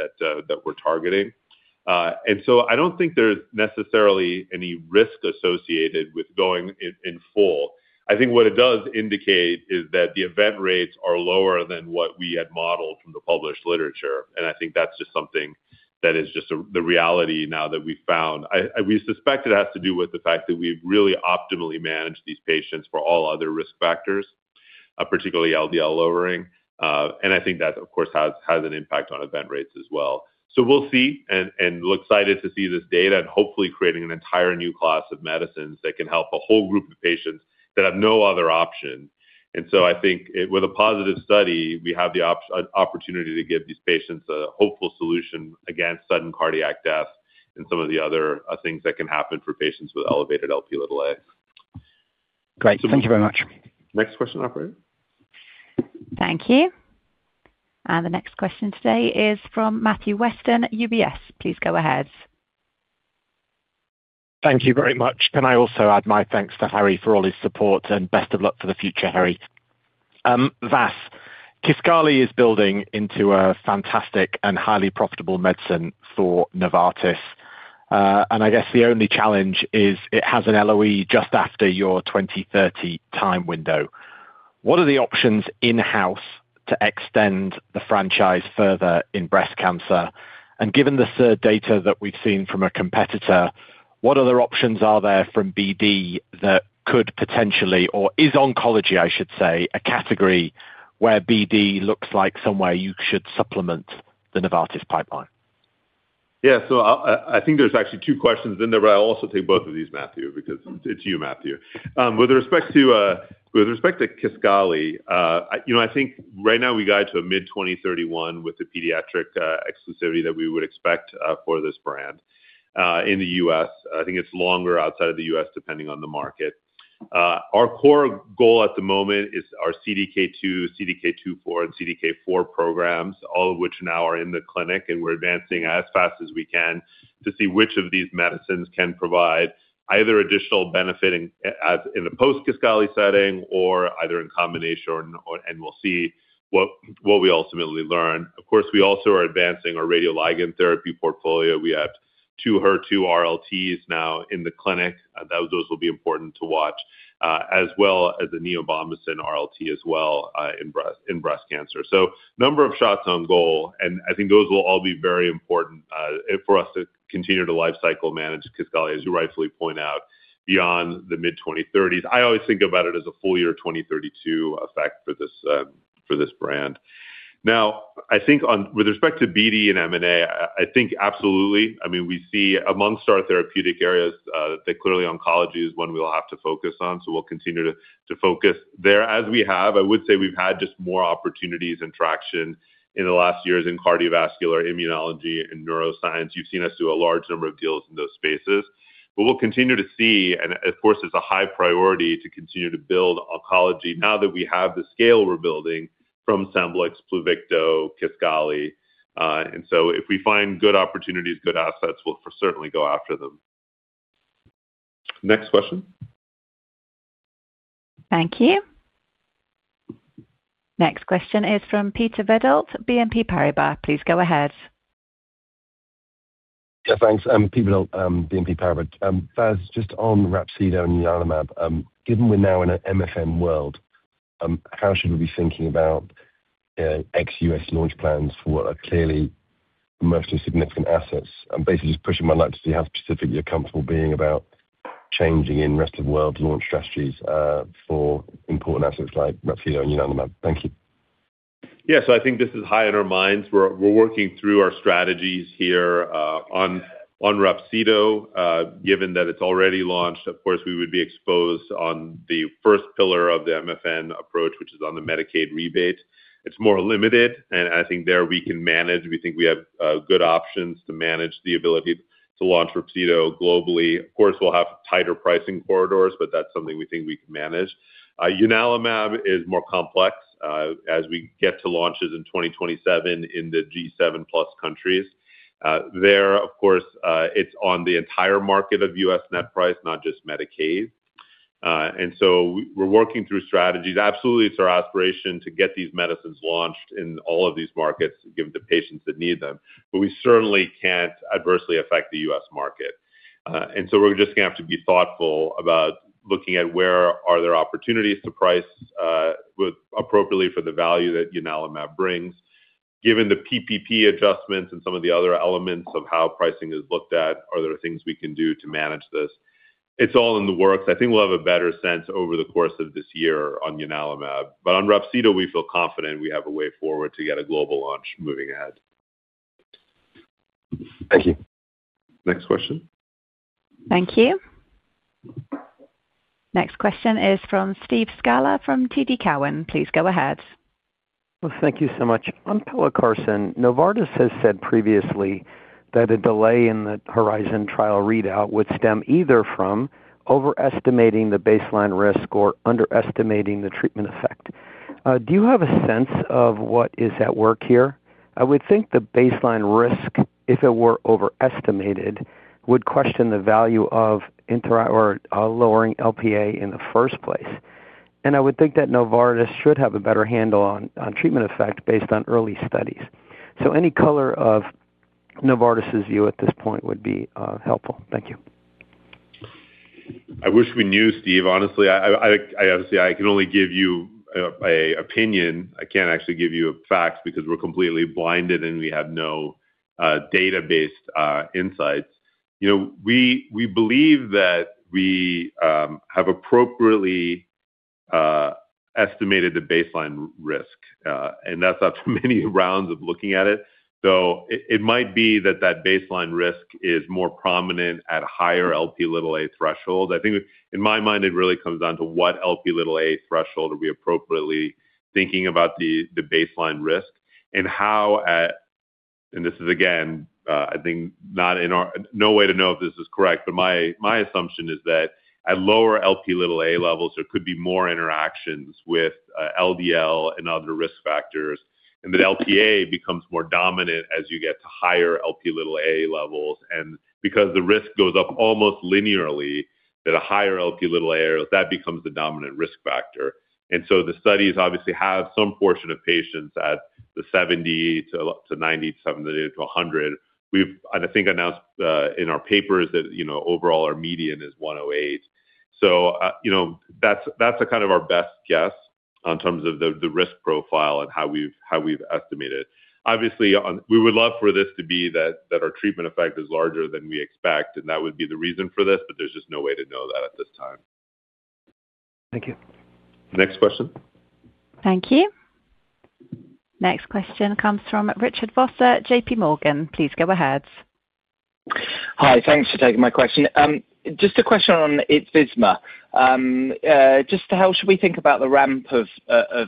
that we're targeting. And so I don't think there's necessarily any risk associated with going in full. I think what it does indicate is that the event rates are lower than what we had modeled from the published literature. And I think that's just something that is just the reality now that we've found. We suspect it has to do with the fact that we've really optimally managed these patients for all other risk factors, particularly LDL lowering. And I think that, of course, has an impact on event rates as well. So we'll see. And we're excited to see this data and hopefully creating an entire new class of medicines that can help a whole group of patients that have no other option. And so I think with a positive study, we have the opportunity to give these patients a hopeful solution against sudden cardiac death and some of the other things that can happen for patients with elevated Lp(a). Great. Thank you very much. Next question, operator. Thank you. The next question today is from Matthew Weston, UBS. Please go ahead. Thank you very much. Can I also add my thanks to Harry for all his support and best of luck for the future, Harry? Vas, Kisqali is building into a fantastic and highly profitable medicine for Novartis. I guess the only challenge is it has an LOE just after your 2030 time window. What are the options in-house to extend the franchise further in breast cancer? Given the SERD data that we've seen from a competitor, what other options are there from BD that could potentially or is oncology, I should say, a category where BD looks like somewhere you should supplement the Novartis pipeline? Yeah. So I think there's actually two questions in there, but I'll also take both of these, Matthew, because it's you, Matthew. With respect to Kisqali, I think right now we guide to a mid-2031 with the pediatric exclusivity that we would expect for this brand in the U.S. I think it's longer outside of the U.S. depending on the market. Our core goal at the moment is our CDK2, CDK2/4, and CDK4 programs, all of which now are in the clinic. And we're advancing as fast as we can to see which of these medicines can provide either additional benefit in the post-Kisqali setting or either in combination, and we'll see what we ultimately learn. Of course, we also are advancing our radioligand therapy portfolio. We have two HER2 RLTs now in the clinic. Those will be important to watch, as well as a neobomasin RLT as well in breast cancer. So number of shots on goal. And I think those will all be very important for us to continue to lifecycle manage Kisqali, as you rightfully point out, beyond the mid-2030s. I always think about it as a full-year 2032 effect for this brand. Now, I think with respect to BD and M&A, I think absolutely. I mean, we see amongst our therapeutic areas that clearly oncology is one we'll have to focus on. So we'll continue to focus there. As we have, I would say we've had just more opportunities and traction in the last years in cardiovascular, immunology, and neuroscience. You've seen us do a large number of deals in those spaces. But we'll continue to see, and of course, it's a high priority to continue to build oncology now that we have the scale we're building from Scemblix, Pluvicto, Kisqali. And so if we find good opportunities, good assets, we'll certainly go after them. Next question. Thank you. Next question is from Peter Verdult, BNP Paribas. Please go ahead. Yeah, thanks. I'm Peter Verdult, BNP Paribas. Vas, just on Rhapsido and ianalumab, given we're now in an MFN world, how should we be thinking about ex-U.S. launch plans for what are clearly emotionally significant assets? Basically, just pushing my luck to see how specific you're comfortable being about changing in rest of world launch strategies for important assets like Rhapsido and ianalumab. Thank you. Yeah. So I think this is high in our minds. We're working through our strategies here on Rhapsido. Given that it's already launched, of course, we would be exposed on the first pillar of the MFN approach, which is on the Medicaid rebate. It's more limited. And I think there we can manage. We think we have good options to manage the ability to launch Rhapsido globally. Of course, we'll have tighter pricing corridors, but that's something we think we can manage. ianalumab is more complex as we get to launches in 2027 in the G7-plus countries. There, of course, it's on the entire market of U.S. net price, not just Medicaid. And so we're working through strategies. Absolutely, it's our aspiration to get these medicines launched in all of these markets given the patients that need them. But we certainly can't adversely affect the U.S. market. We're just going to have to be thoughtful about looking at where there are opportunities to price appropriately for the value that ianalumab brings. Given the PPP adjustments and some of the other elements of how pricing is looked at, are there things we can do to manage this? It's all in the works. I think we'll have a better sense over the course of this year on ianalumab. But on Rhapsido, we feel confident we have a way forward to get a global launch moving ahead. Thank you. Next question. Thank you. Next question is from Steve Scala from TD Cowen. Please go ahead. Well, thank you so much. On Pelacarsen, Novartis has said previously that a delay in the Horizon trial readout would stem either from overestimating the baseline risk or underestimating the treatment effect. Do you have a sense of what is at work here? I would think the baseline risk, if it were overestimated, would question the value of lowering Lp(a) in the first place. And I would think that Novartis should have a better handle on treatment effect based on early studies. So any color of Novartis's view at this point would be helpful. Thank you. I wish we knew, Steve. Honestly, obviously, I can only give you an opinion. I can't actually give you facts because we're completely blinded and we have no database insights. We believe that we have appropriately estimated the baseline risk. And that's after many rounds of looking at it. So it might be that that baseline risk is more prominent at higher Lp(a) thresholds. I think in my mind, it really comes down to what Lp(a) threshold are we appropriately thinking about the baseline risk and how at and this is, again, I think no way to know if this is correct. But my assumption is that at lower Lp(a) levels, there could be more interactions with LDL and other risk factors, and that Lp(a) becomes more dominant as you get to higher Lp(a) levels. Because the risk goes up almost linearly, that a higher Lp(a) level, that becomes the dominant risk factor. So the studies obviously have some portion of patients at the 70-90 to 70-100. We've, I think, announced in our papers that overall our median is 108. So that's kind of our best guess in terms of the risk profile and how we've estimated it. Obviously, we would love for this to be that our treatment effect is larger than we expect. And that would be the reason for this, but there's just no way to know that at this time. Thank you. Next question. Thank you. Next question comes from Richard Vosser, J.P. Morgan. Please go ahead. Hi. Thanks for taking my question. Just a question on ITVISMA. Just how should we think about the ramp of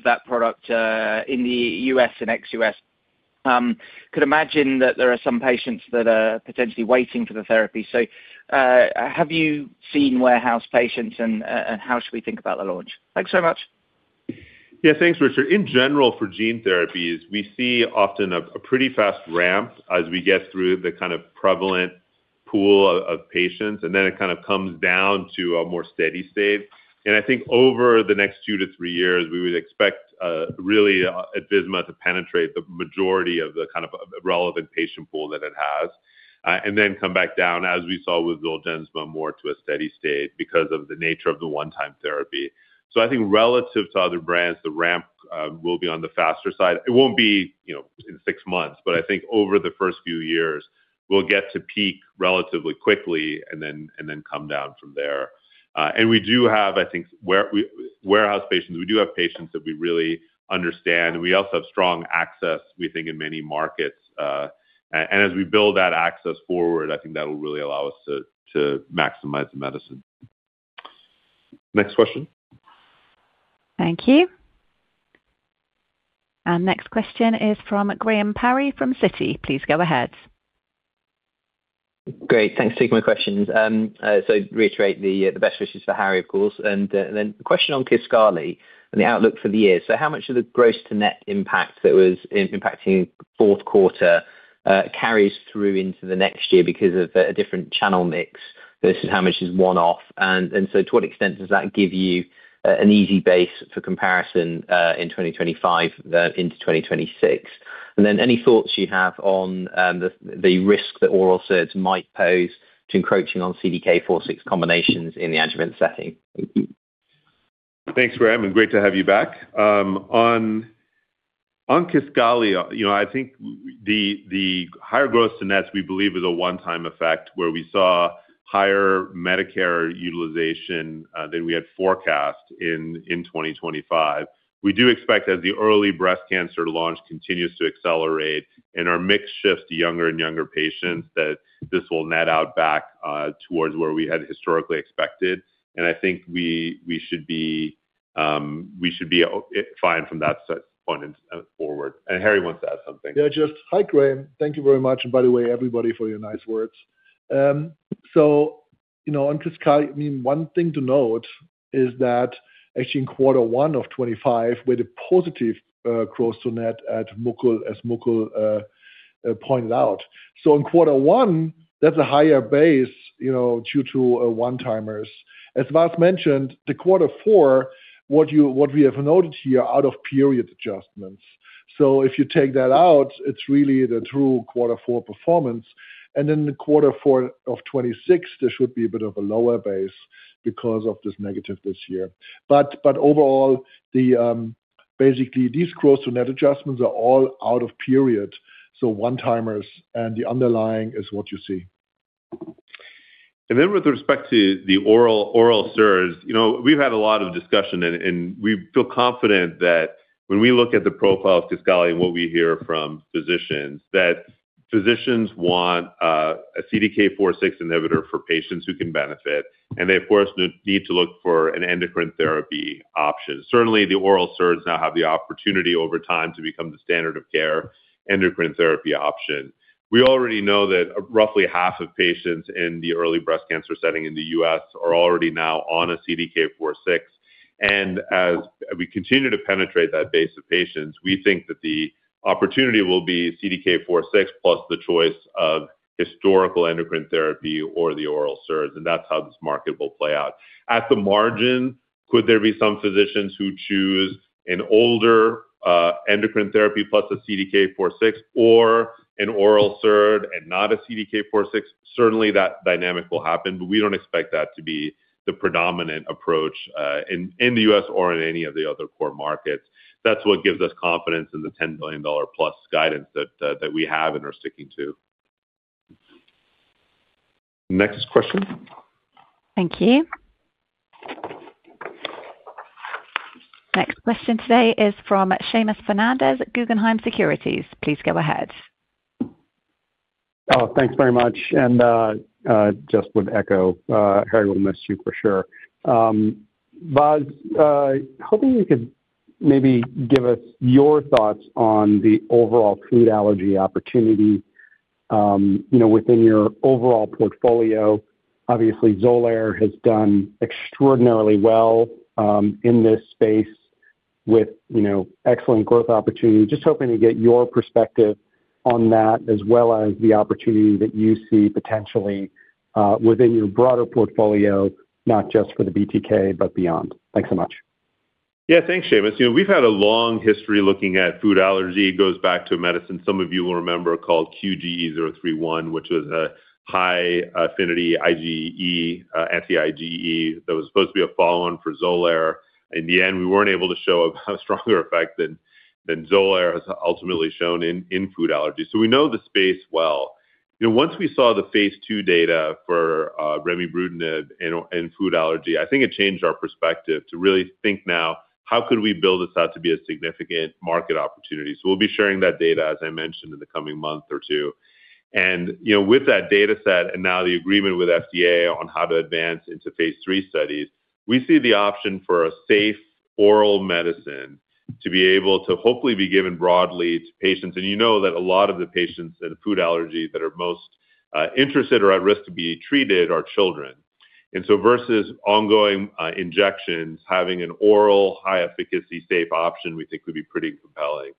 that product in the U.S. and ex-U.S.? Could imagine that there are some patients that are potentially waiting for the therapy. So have you seen warehoused patients, and how should we think about the launch? Thanks so much. Yeah. Thanks, Richard. In general, for gene therapies, we see often a pretty fast ramp as we get through the kind of prevalent pool of patients. And then it kind of comes down to a more steady state. And I think over the next two-three years, we would expect really ITVISMA to penetrate the majority of the kind of relevant patient pool that it has and then come back down, as we saw with Zolgensma, more to a steady state because of the nature of the one-time therapy. So I think relative to other brands, the ramp will be on the faster side. It won't be in six months. But I think over the first few years, we'll get to peak relatively quickly and then come down from there. And we do have, I think, warehoused patients. We do have patients that we really understand. We also have strong access, we think, in many markets. And as we build that access forward, I think that will really allow us to maximize the medicine. Next question. Thank you. Next question is from Graham Parry from Citi. Please go ahead. Great. Thanks for taking my questions. So reiterate the best wishes for Harry, of course. And then the question on Kisqali and the outlook for the year. So how much of the gross-to-net impact that was impacting fourth quarter carries through into the next year because of a different channel mix versus how much is one-off? And so to what extent does that give you an easy base for comparison in 2025 into 2026? And then any thoughts you have on the risk that oral SERDs might pose to encroaching on CDK4/6 combinations in the adjuvant setting? Thank you. Thanks, Graham. Great to have you back. On Kisqali, I think the higher gross-to-net, we believe, is a one-time effect where we saw higher Medicare utilization than we had forecast in 2025. We do expect, as the early breast cancer launch continues to accelerate and our mix shifts to younger and younger patients, that this will net out back towards where we had historically expected. I think we should be fine from that point forward. Harry wants to add something. Yeah. Hi, Graham. Thank you very much. And by the way, everybody, for your nice words. So on Kisqali, I mean, one thing to note is that actually in quarter one of 2025, we had a positive gross-to-net at Mukul, as Mukul pointed out. So in quarter one, that's a higher base due to one-timers. As Vas mentioned, the quarter four, what we have noted here out of period adjustments. So if you take that out, it's really the true quarter four performance. And then in quarter four of 2026, there should be a bit of a lower base because of this negative this year. But overall, basically, these gross-to-net adjustments are all out of period. So one-timers and the underlying is what you see. Then with respect to the oral SERDs, we've had a lot of discussion. We feel confident that when we look at the profile of Kisqali and what we hear from physicians, that physicians want a CDK4/6 inhibitor for patients who can benefit. They, of course, need to look for an endocrine therapy option. Certainly, the oral SERDs now have the opportunity over time to become the standard-of-care endocrine therapy option. We already know that roughly half of patients in the early breast cancer setting in the U.S. are already now on a CDK4/6. As we continue to penetrate that base of patients, we think that the opportunity will be CDK4/6 plus the choice of historical endocrine therapy or the oral SERDs. That's how this market will play out. At the margin, could there be some physicians who choose an older endocrine therapy plus a CDK4/6 or an oral SERD and not a CDK4/6? Certainly, that dynamic will happen. But we don't expect that to be the predominant approach in the U.S. or in any of the other core markets. That's what gives us confidence in the $10 billion-plus guidance that we have and are sticking to. Next question. Thank you. Next question today is from Seamus Fernandez at Guggenheim Securities. Please go ahead. Oh, thanks very much. And just would echo, Harry will miss you for sure. Vas, hoping you could maybe give us your thoughts on the overall food allergy opportunity within your overall portfolio. Obviously, Xolair has done extraordinarily well in this space with excellent growth opportunity. Just hoping to get your perspective on that as well as the opportunity that you see potentially within your broader portfolio, not just for the BTK but beyond. Thanks so much. Yeah. Thanks, Seamus. We've had a long history looking at food allergy. It goes back to a medicine some of you will remember called QGE031, which was a high-affinity anti-IgE that was supposed to be a follow-on for Xolair. In the end, we weren't able to show a stronger effect than Xolair has ultimately shown in food allergy. So we know the space well. Once we saw the phase II data for Remibrutinib and food allergy, I think it changed our perspective to really think now, how could we build this out to be a significant market opportunity? So we'll be sharing that data, as I mentioned, in the coming month or two. And with that dataset and now the agreement with FDA on how to advance into phase III studies, we see the option for a safe oral medicine to be able to hopefully be given broadly to patients. You know that a lot of the patients in food allergy that are most interested or at risk to be treated are children. So versus ongoing injections, having an oral, high-efficacy, safe option, we think would be pretty compelling.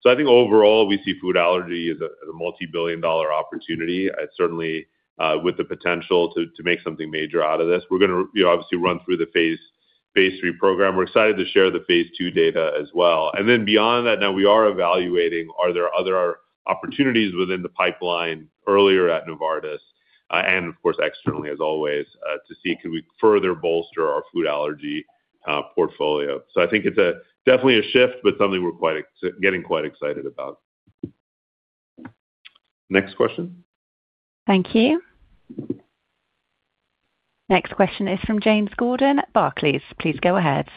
So I think overall, we see food allergy as a multi-billion-dollar opportunity. Certainly, with the potential to make something major out of this, we're going to obviously run through the phase III program. We're excited to share the phase II data as well. Then beyond that, now we are evaluating, are there other opportunities within the pipeline earlier at Novartis and, of course, externally, as always, to see, could we further bolster our food allergy portfolio? So I think it's definitely a shift, but something we're getting quite excited about. Next question. Thank you. Next question is from James Gordon at Barclays. Please go ahead.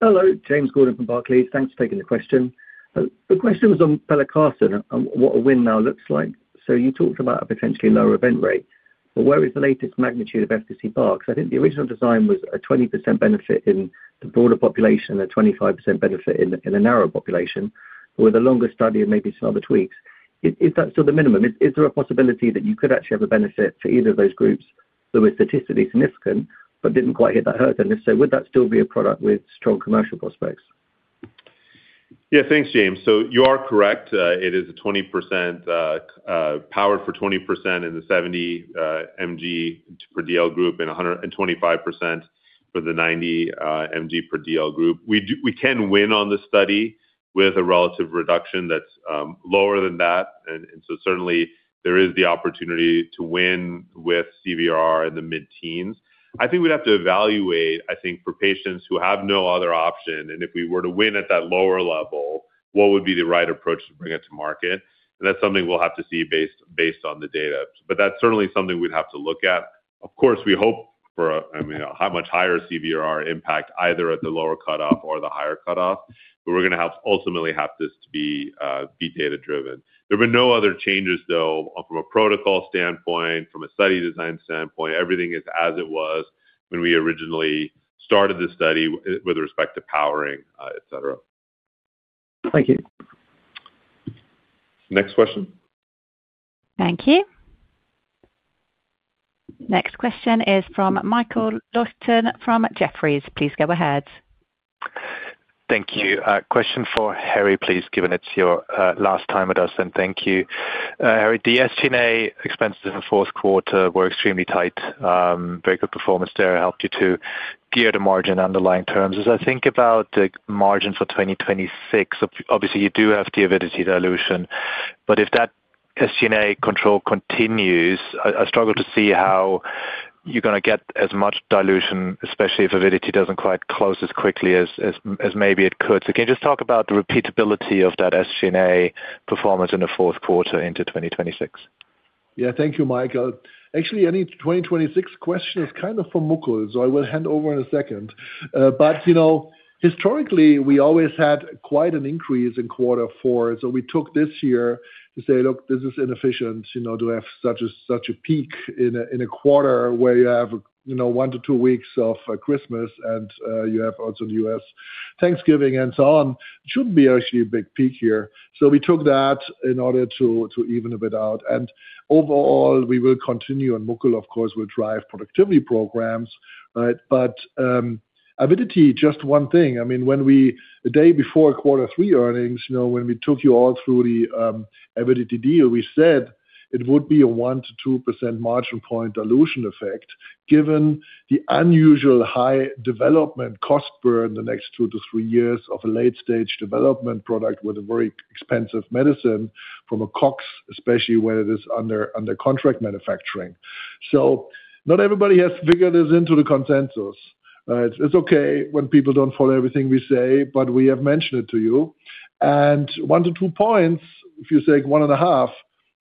Hello. James Gordon from Barclays. Thanks for taking the question. The question was on Pelacarsen and what a win now looks like. So you talked about a potentially lower event rate. But where is the latest magnitude of efficacy bar? Because I think the original design was a 20% benefit in the broader population and a 25% benefit in a narrow population with a longer study and maybe some other tweaks. Is that still the minimum? Is there a possibility that you could actually have a benefit for either of those groups that was statistically significant but didn't quite hit that hurdle? If so, would that still be a product with strong commercial prospects? Yeah. Thanks, James. So you are correct. It is powered for 20% in the 70 mg/dL group and 25% for the 90 mg/dL group. We can win on the study with a relative reduction that's lower than that. And so certainly, there is the opportunity to win with CVR in the mid-teens. I think we'd have to evaluate, I think, for patients who have no other option. And if we were to win at that lower level, what would be the right approach to bring it to market? And that's something we'll have to see based on the data. But that's certainly something we'd have to look at. Of course, we hope for, I mean, how much higher CVR impact either at the lower cutoff or the higher cutoff. But we're going to ultimately have this to be data-driven. There have been no other changes, though, from a protocol standpoint, from a study design standpoint. Everything is as it was when we originally started the study with respect to powering, etc. Thank you. Next question. Thank you. Next question is from Michael Leuchten from Jefferies. Please go ahead. Thank you. Question for Harry, please, given it's your last time with us. And thank you, Harry. The SG&A expenses in the fourth quarter were extremely tight. Very good performance. Dara helped you to gear the margin underlying terms. As I think about the margin for 2026, obviously, you do have the Avidity dilution. But if that SG&A control continues, I struggle to see how you're going to get as much dilution, especially if Avidity doesn't quite close as quickly as maybe it could. So can you just talk about the repeatability of that SG&A performance in the fourth quarter into 2026? Yeah. Thank you, Michael. Actually, any 2026 question is kind of for Mukul. So I will hand over in a second. But historically, we always had quite an increase in quarter four. So we took this year to say, "Look, this is inefficient to have such a peak in a quarter where you have one to two weeks of Christmas and you have also in the U.S. Thanksgiving and so on. It shouldn't be actually a big peak here." So we took that in order to even it out. And overall, we will continue. And Mukul, of course, will drive productivity programs. But Avidity, just one thing. I mean, a day before quarter three earnings, when we took you all through the Avidity deal, we said it would be a one-two percentage point margin dilution effect given the unusually high development cost burden the next two-three years of a late-stage development product with a very expensive medicine from a CRO, especially when it is under contract manufacturing. So not everybody has figured this into the consensus. It's okay when people don't follow everything we say, but we have mentioned it to you. And one-two points, if you say 1.5,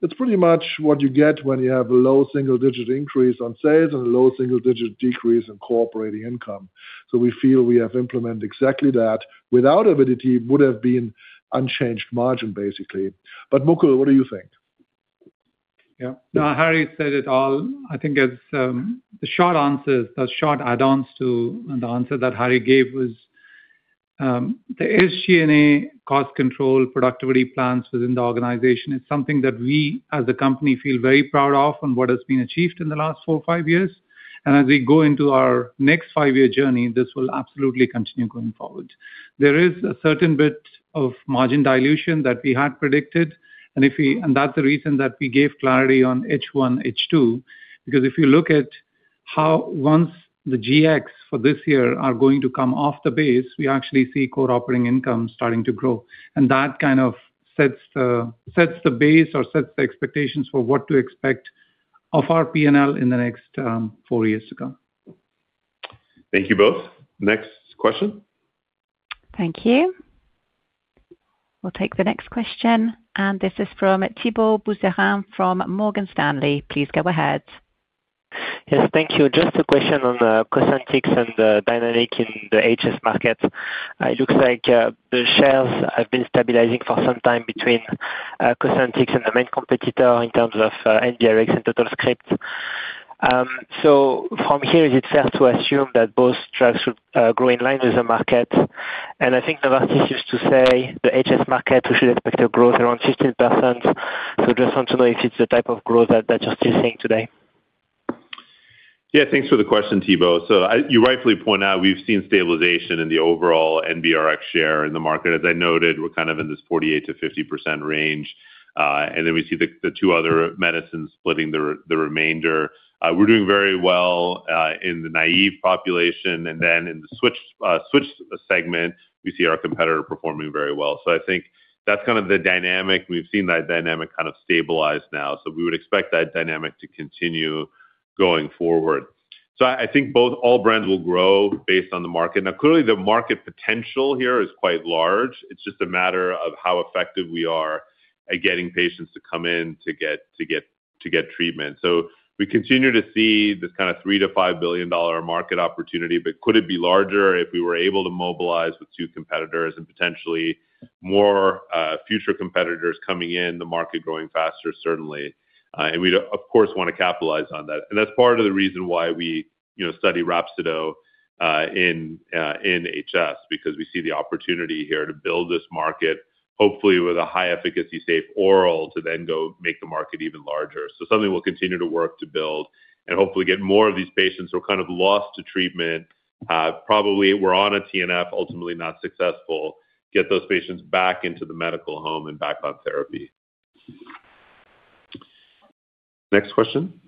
that's pretty much what you get when you have a low single-digit increase on sales and a low single-digit decrease in core operating income. So we feel we have implemented exactly that. Without Avidity, it would have been unchanged margin, basically. But, Mukul, what do you think? Yeah. No, Harry said it all. I think the short answers, the short add-ons to the answer that Harry gave was the SG&A cost control productivity plans within the organization is something that we as a company feel very proud of and what has been achieved in the last four or five years. And as we go into our next five-year journey, this will absolutely continue going forward. There is a certain bit of margin dilution that we had predicted. And that's the reason that we gave clarity on H1, H2. Because if you look at how once the GX for this year are going to come off the base, we actually see core operating income starting to grow. And that kind of sets the base or sets the expectations for what to expect of our P&L in the next four years to come. Thank you both. Next question. Thank you. We'll take the next question. This is from Thibault Boutherin from Morgan Stanley. Please go ahead. Yes. Thank you. Just a question on Cosentyx and the dynamic in the HS market. It looks like the shares have been stabilizing for some time between Cosentyx and the main competitor in terms of NBRX and TotalScript. So from here, is it fair to assume that both drugs would grow in line with the market? And I think Novartis used to say the HS market, we should expect a growth around 15%. So I just want to know if it's the type of growth that you're still seeing today. Yeah. Thanks for the question, Thibault. So you rightfully point out we've seen stabilization in the overall NBRX share in the market. As I noted, we're kind of in this 48%-50% range. And then we see the two other medicines splitting the remainder. We're doing very well in the naive population. And then in the switched segment, we see our competitor performing very well. So I think that's kind of the dynamic. We've seen that dynamic kind of stabilize now. So we would expect that dynamic to continue going forward. So I think all brands will grow based on the market. Now, clearly, the market potential here is quite large. It's just a matter of how effective we are at getting patients to come in to get treatment. So we continue to see this kind of $3 billion-$5 billion market opportunity. But could it be larger if we were able to mobilize with two competitors and potentially more future competitors coming in, the market growing faster, certainly? And we'd, of course, want to capitalize on that. And that's part of the reason why we study Rhapsido in HS because we see the opportunity here to build this market, hopefully with a high-efficacy, safe oral to then go make the market even larger. So something we'll continue to work to build and hopefully get more of these patients who are kind of lost to treatment, probably were on a TNF, ultimately not successful, get those patients back into the medical home and back on therapy. Next question.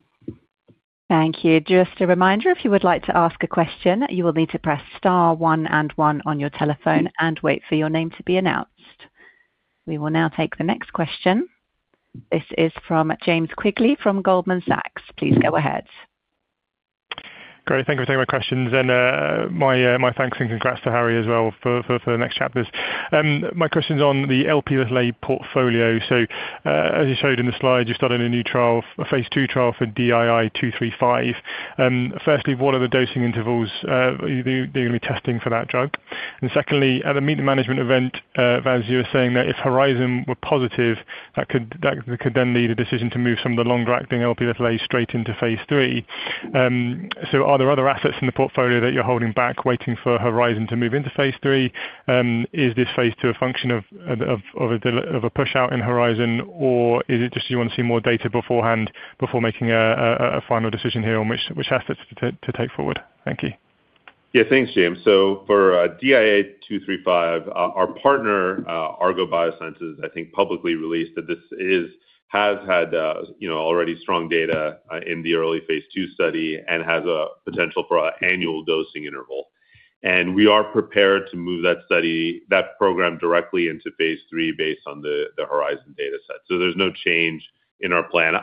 Thank you. Just a reminder, if you would like to ask a question, you will need to press star one and one on your telephone and wait for your name to be announced. We will now take the next question. This is from James Quigley from Goldman Sachs. Please go ahead. Great. Thank you for taking my questions. And my thanks and congrats to Harry as well for the next chapters. My question's on the Lp(a) portfolio. So as you showed in the slides, you've started a new phase II trial for DII235. Firstly, what are the dosing intervals they're going to be testing for that drug? And secondly, at the meet-the-management event, Vas, you were saying that if Horizon were positive, that could then lead to a decision to move some of the longer-acting Lp(a) straight into phase III. So are there other assets in the portfolio that you're holding back, waiting for Horizon to move into phase III? Is this phase II a function of a push-out in Horizon, or is it just you want to see more data beforehand before making a final decision here on which assets to take forward? Thank you. Yeah. Thanks, James. So for DIA235, our partner, Argo Biosciences, I think publicly released that this has had already strong data in the early phase II study and has a potential for an annual dosing interval. And we are prepared to move that program directly into phase III based on the Horizon dataset. So there's no change in our plan.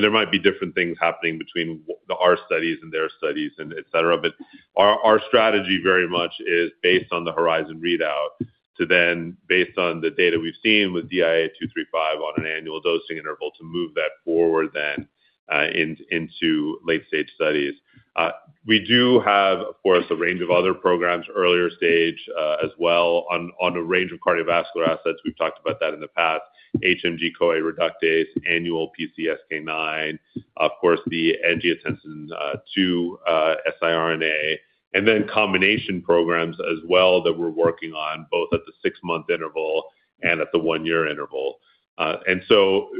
There might be different things happening between our studies and their studies, etc. But our strategy very much is based on the Horizon readout to then, based on the data we've seen with DIA235 on an annual dosing interval, to move that forward then into late-stage studies. We do have, of course, a range of other programs earlier stage as well on a range of cardiovascular assets. We've talked about that in the past: HMG-CoA reductase, annual PCSK9, of course, the angiotensin 2 siRNA, and then combination programs as well that we're working on both at the six-month interval and at the one-year interval. And so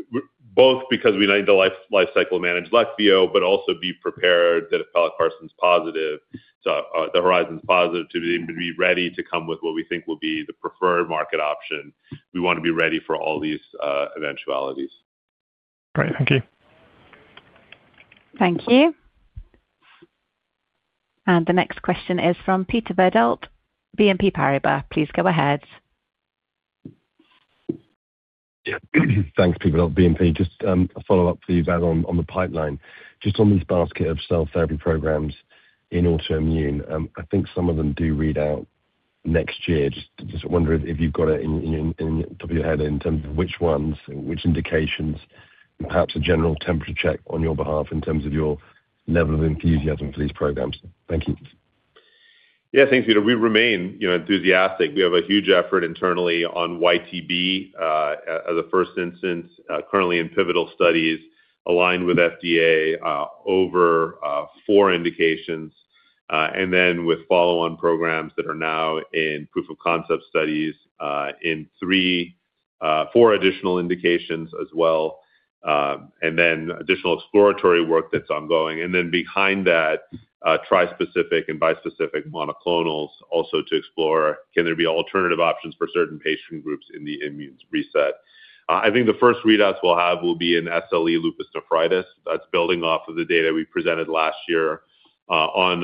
both because we need to life-cycle-manage Leqvio, but also be prepared that if Pelacarsen's positive, the Horizon's positive, to be ready to come with what we think will be the preferred market option. We want to be ready for all these eventualities. Great. Thank you. Thank you. The next question is from Peter Verdult, BNP Paribas. Please go ahead. Thanks, Peter Verdult, BNP. Just a follow-up for you, Vas, on the pipeline. Just on this basket of cell therapy programs in autoimmune, I think some of them do readout next year. Just wonder if you've got it in the top of your head in terms of which ones, which indications, and perhaps a general temperature check on your behalf in terms of your level of enthusiasm for these programs. Thank you. Yeah. Thanks, Peter. We remain enthusiastic. We have a huge effort internally on YTB as a first instance, currently in pivotal studies aligned with FDA over 4 indications, and then with follow-on programs that are now in proof-of-concept studies, in 4 additional indications as well, and then additional exploratory work that's ongoing. And then behind that, trispecific and bispecific monoclonals also to explore, can there be alternative options for certain patient groups in the immune reset? I think the first readouts we'll have will be in SLE lupus nephritis. That's building off of the data we presented last year on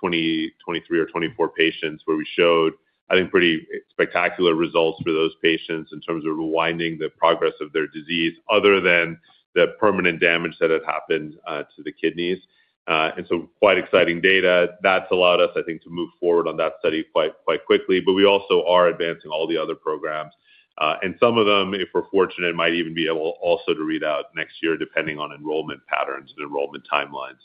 23 or 24 patients where we showed, I think, pretty spectacular results for those patients in terms of rewinding the progress of their disease other than the permanent damage that had happened to the kidneys. And so quite exciting data. That's allowed us, I think, to move forward on that study quite quickly. But we also are advancing all the other programs. And some of them, if we're fortunate, might even be able also to readout next year depending on enrollment patterns and enrollment timelines.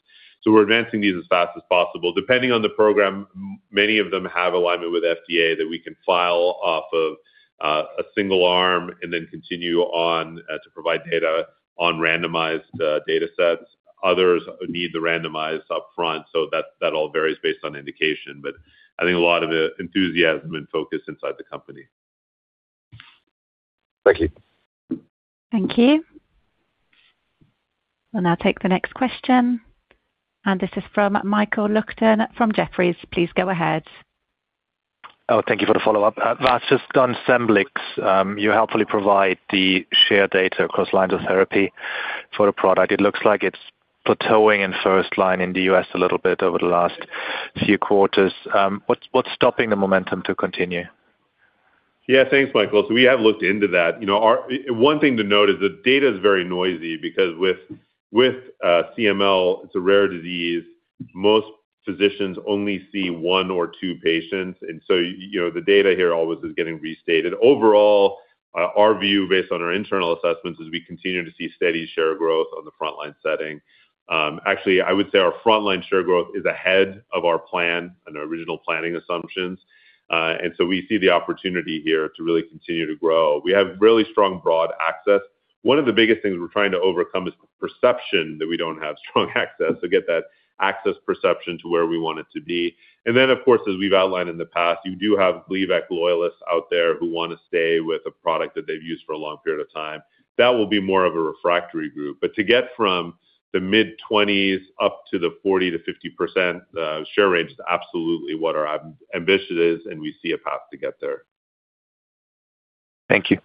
So we're advancing these as fast as possible. Depending on the program, many of them have alignment with FDA that we can file off of a single arm and then continue on to provide data on randomized datasets. Others need the randomized upfront. So that all varies based on indication. But I think a lot of the enthusiasm and focus inside the company. Thank you. Thank you. We'll now take the next question. This is from Michael Leuchten from Jefferies. Please go ahead. Oh, thank you for the follow-up. Vas, just on Scemblix, you helpfully provide the shared data across lines of therapy for the product. It looks like it's plateauing in first line in the U.S. a little bit over the last few quarters. What's stopping the momentum to continue? Yeah. Thanks, Michael. So we have looked into that. One thing to note is the data is very noisy because with CML, it's a rare disease. Most physicians only see one or two patients. And so the data here always is getting restated. Overall, our view based on our internal assessments is we continue to see steady share growth on the frontline setting. Actually, I would say our frontline share growth is ahead of our plan and our original planning assumptions. And so we see the opportunity here to really continue to grow. We have really strong broad access. One of the biggest things we're trying to overcome is the perception that we don't have strong access. So get that access perception to where we want it to be. And then, of course, as we've outlined in the past, you do have Gleevec loyalists out there who want to stay with a product that they've used for a long period of time. That will be more of a refractory group. But to get from the mid-20s up to the 40%-50% share range is absolutely what our ambition is, and we see a path to get there. Thank you.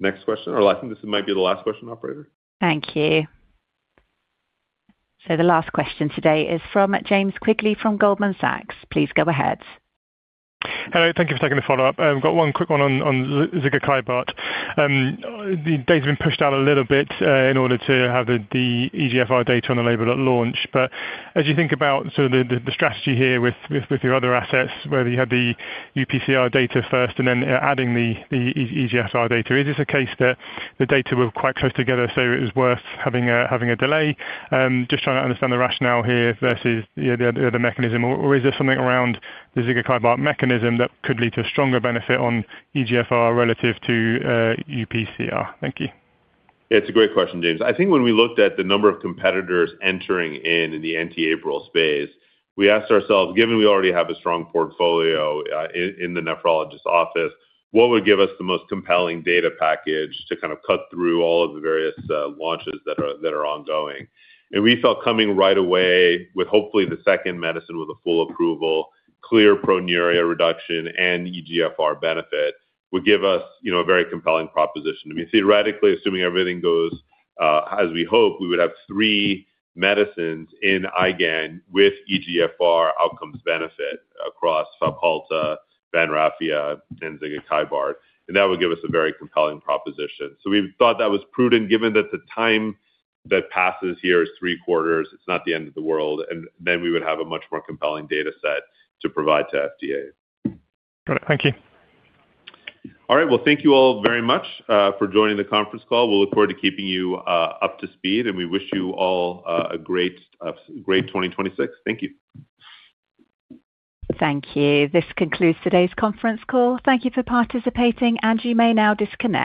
Next question. Or I think this might be the last question, operator. Thank you. The last question today is from James Quigley from Goldman Sachs. Please go ahead. Hello. Thank you for taking the follow-up. I've got one quick one on Zigakibart. The data's been pushed out a little bit in order to have the eGFR data on the label at launch. But as you think about sort of the strategy here with your other assets, whether you had the UPCR data first and then adding the eGFR data, is this a case that the data were quite close together so it was worth having a delay? Just trying to understand the rationale here versus the other mechanism. Or is there something around the Zigakibart mechanism that could lead to a stronger benefit on eGFR relative to UPCR? Thank you. Yeah. It's a great question, James. I think when we looked at the number of competitors entering in the anti-abral space, we asked ourselves, given we already have a strong portfolio in the nephrologist's office, what would give us the most compelling data package to kind of cut through all of the various launches that are ongoing? And we felt coming right away with hopefully the second medicine with a full approval, clear proteinuria reduction and eGFR benefit would give us a very compelling proposition. I mean, theoretically, assuming everything goes as we hope, we would have three medicines in IgAN with eGFR outcomes benefit across Fabhalta, VANRAFIA, and Zigakibart. And that would give us a very compelling proposition. So we thought that was prudent given that the time that passes here is 3 quarters. It's not the end of the world. And then we would have a much more compelling dataset to provide to FDA. Got it. Thank you. All right. Well, thank you all very much for joining the conference call. We'll look forward to keeping you up to speed. We wish you all a great 2026. Thank you. Thank you. This concludes today's conference call. Thank you for participating. You may now disconnect.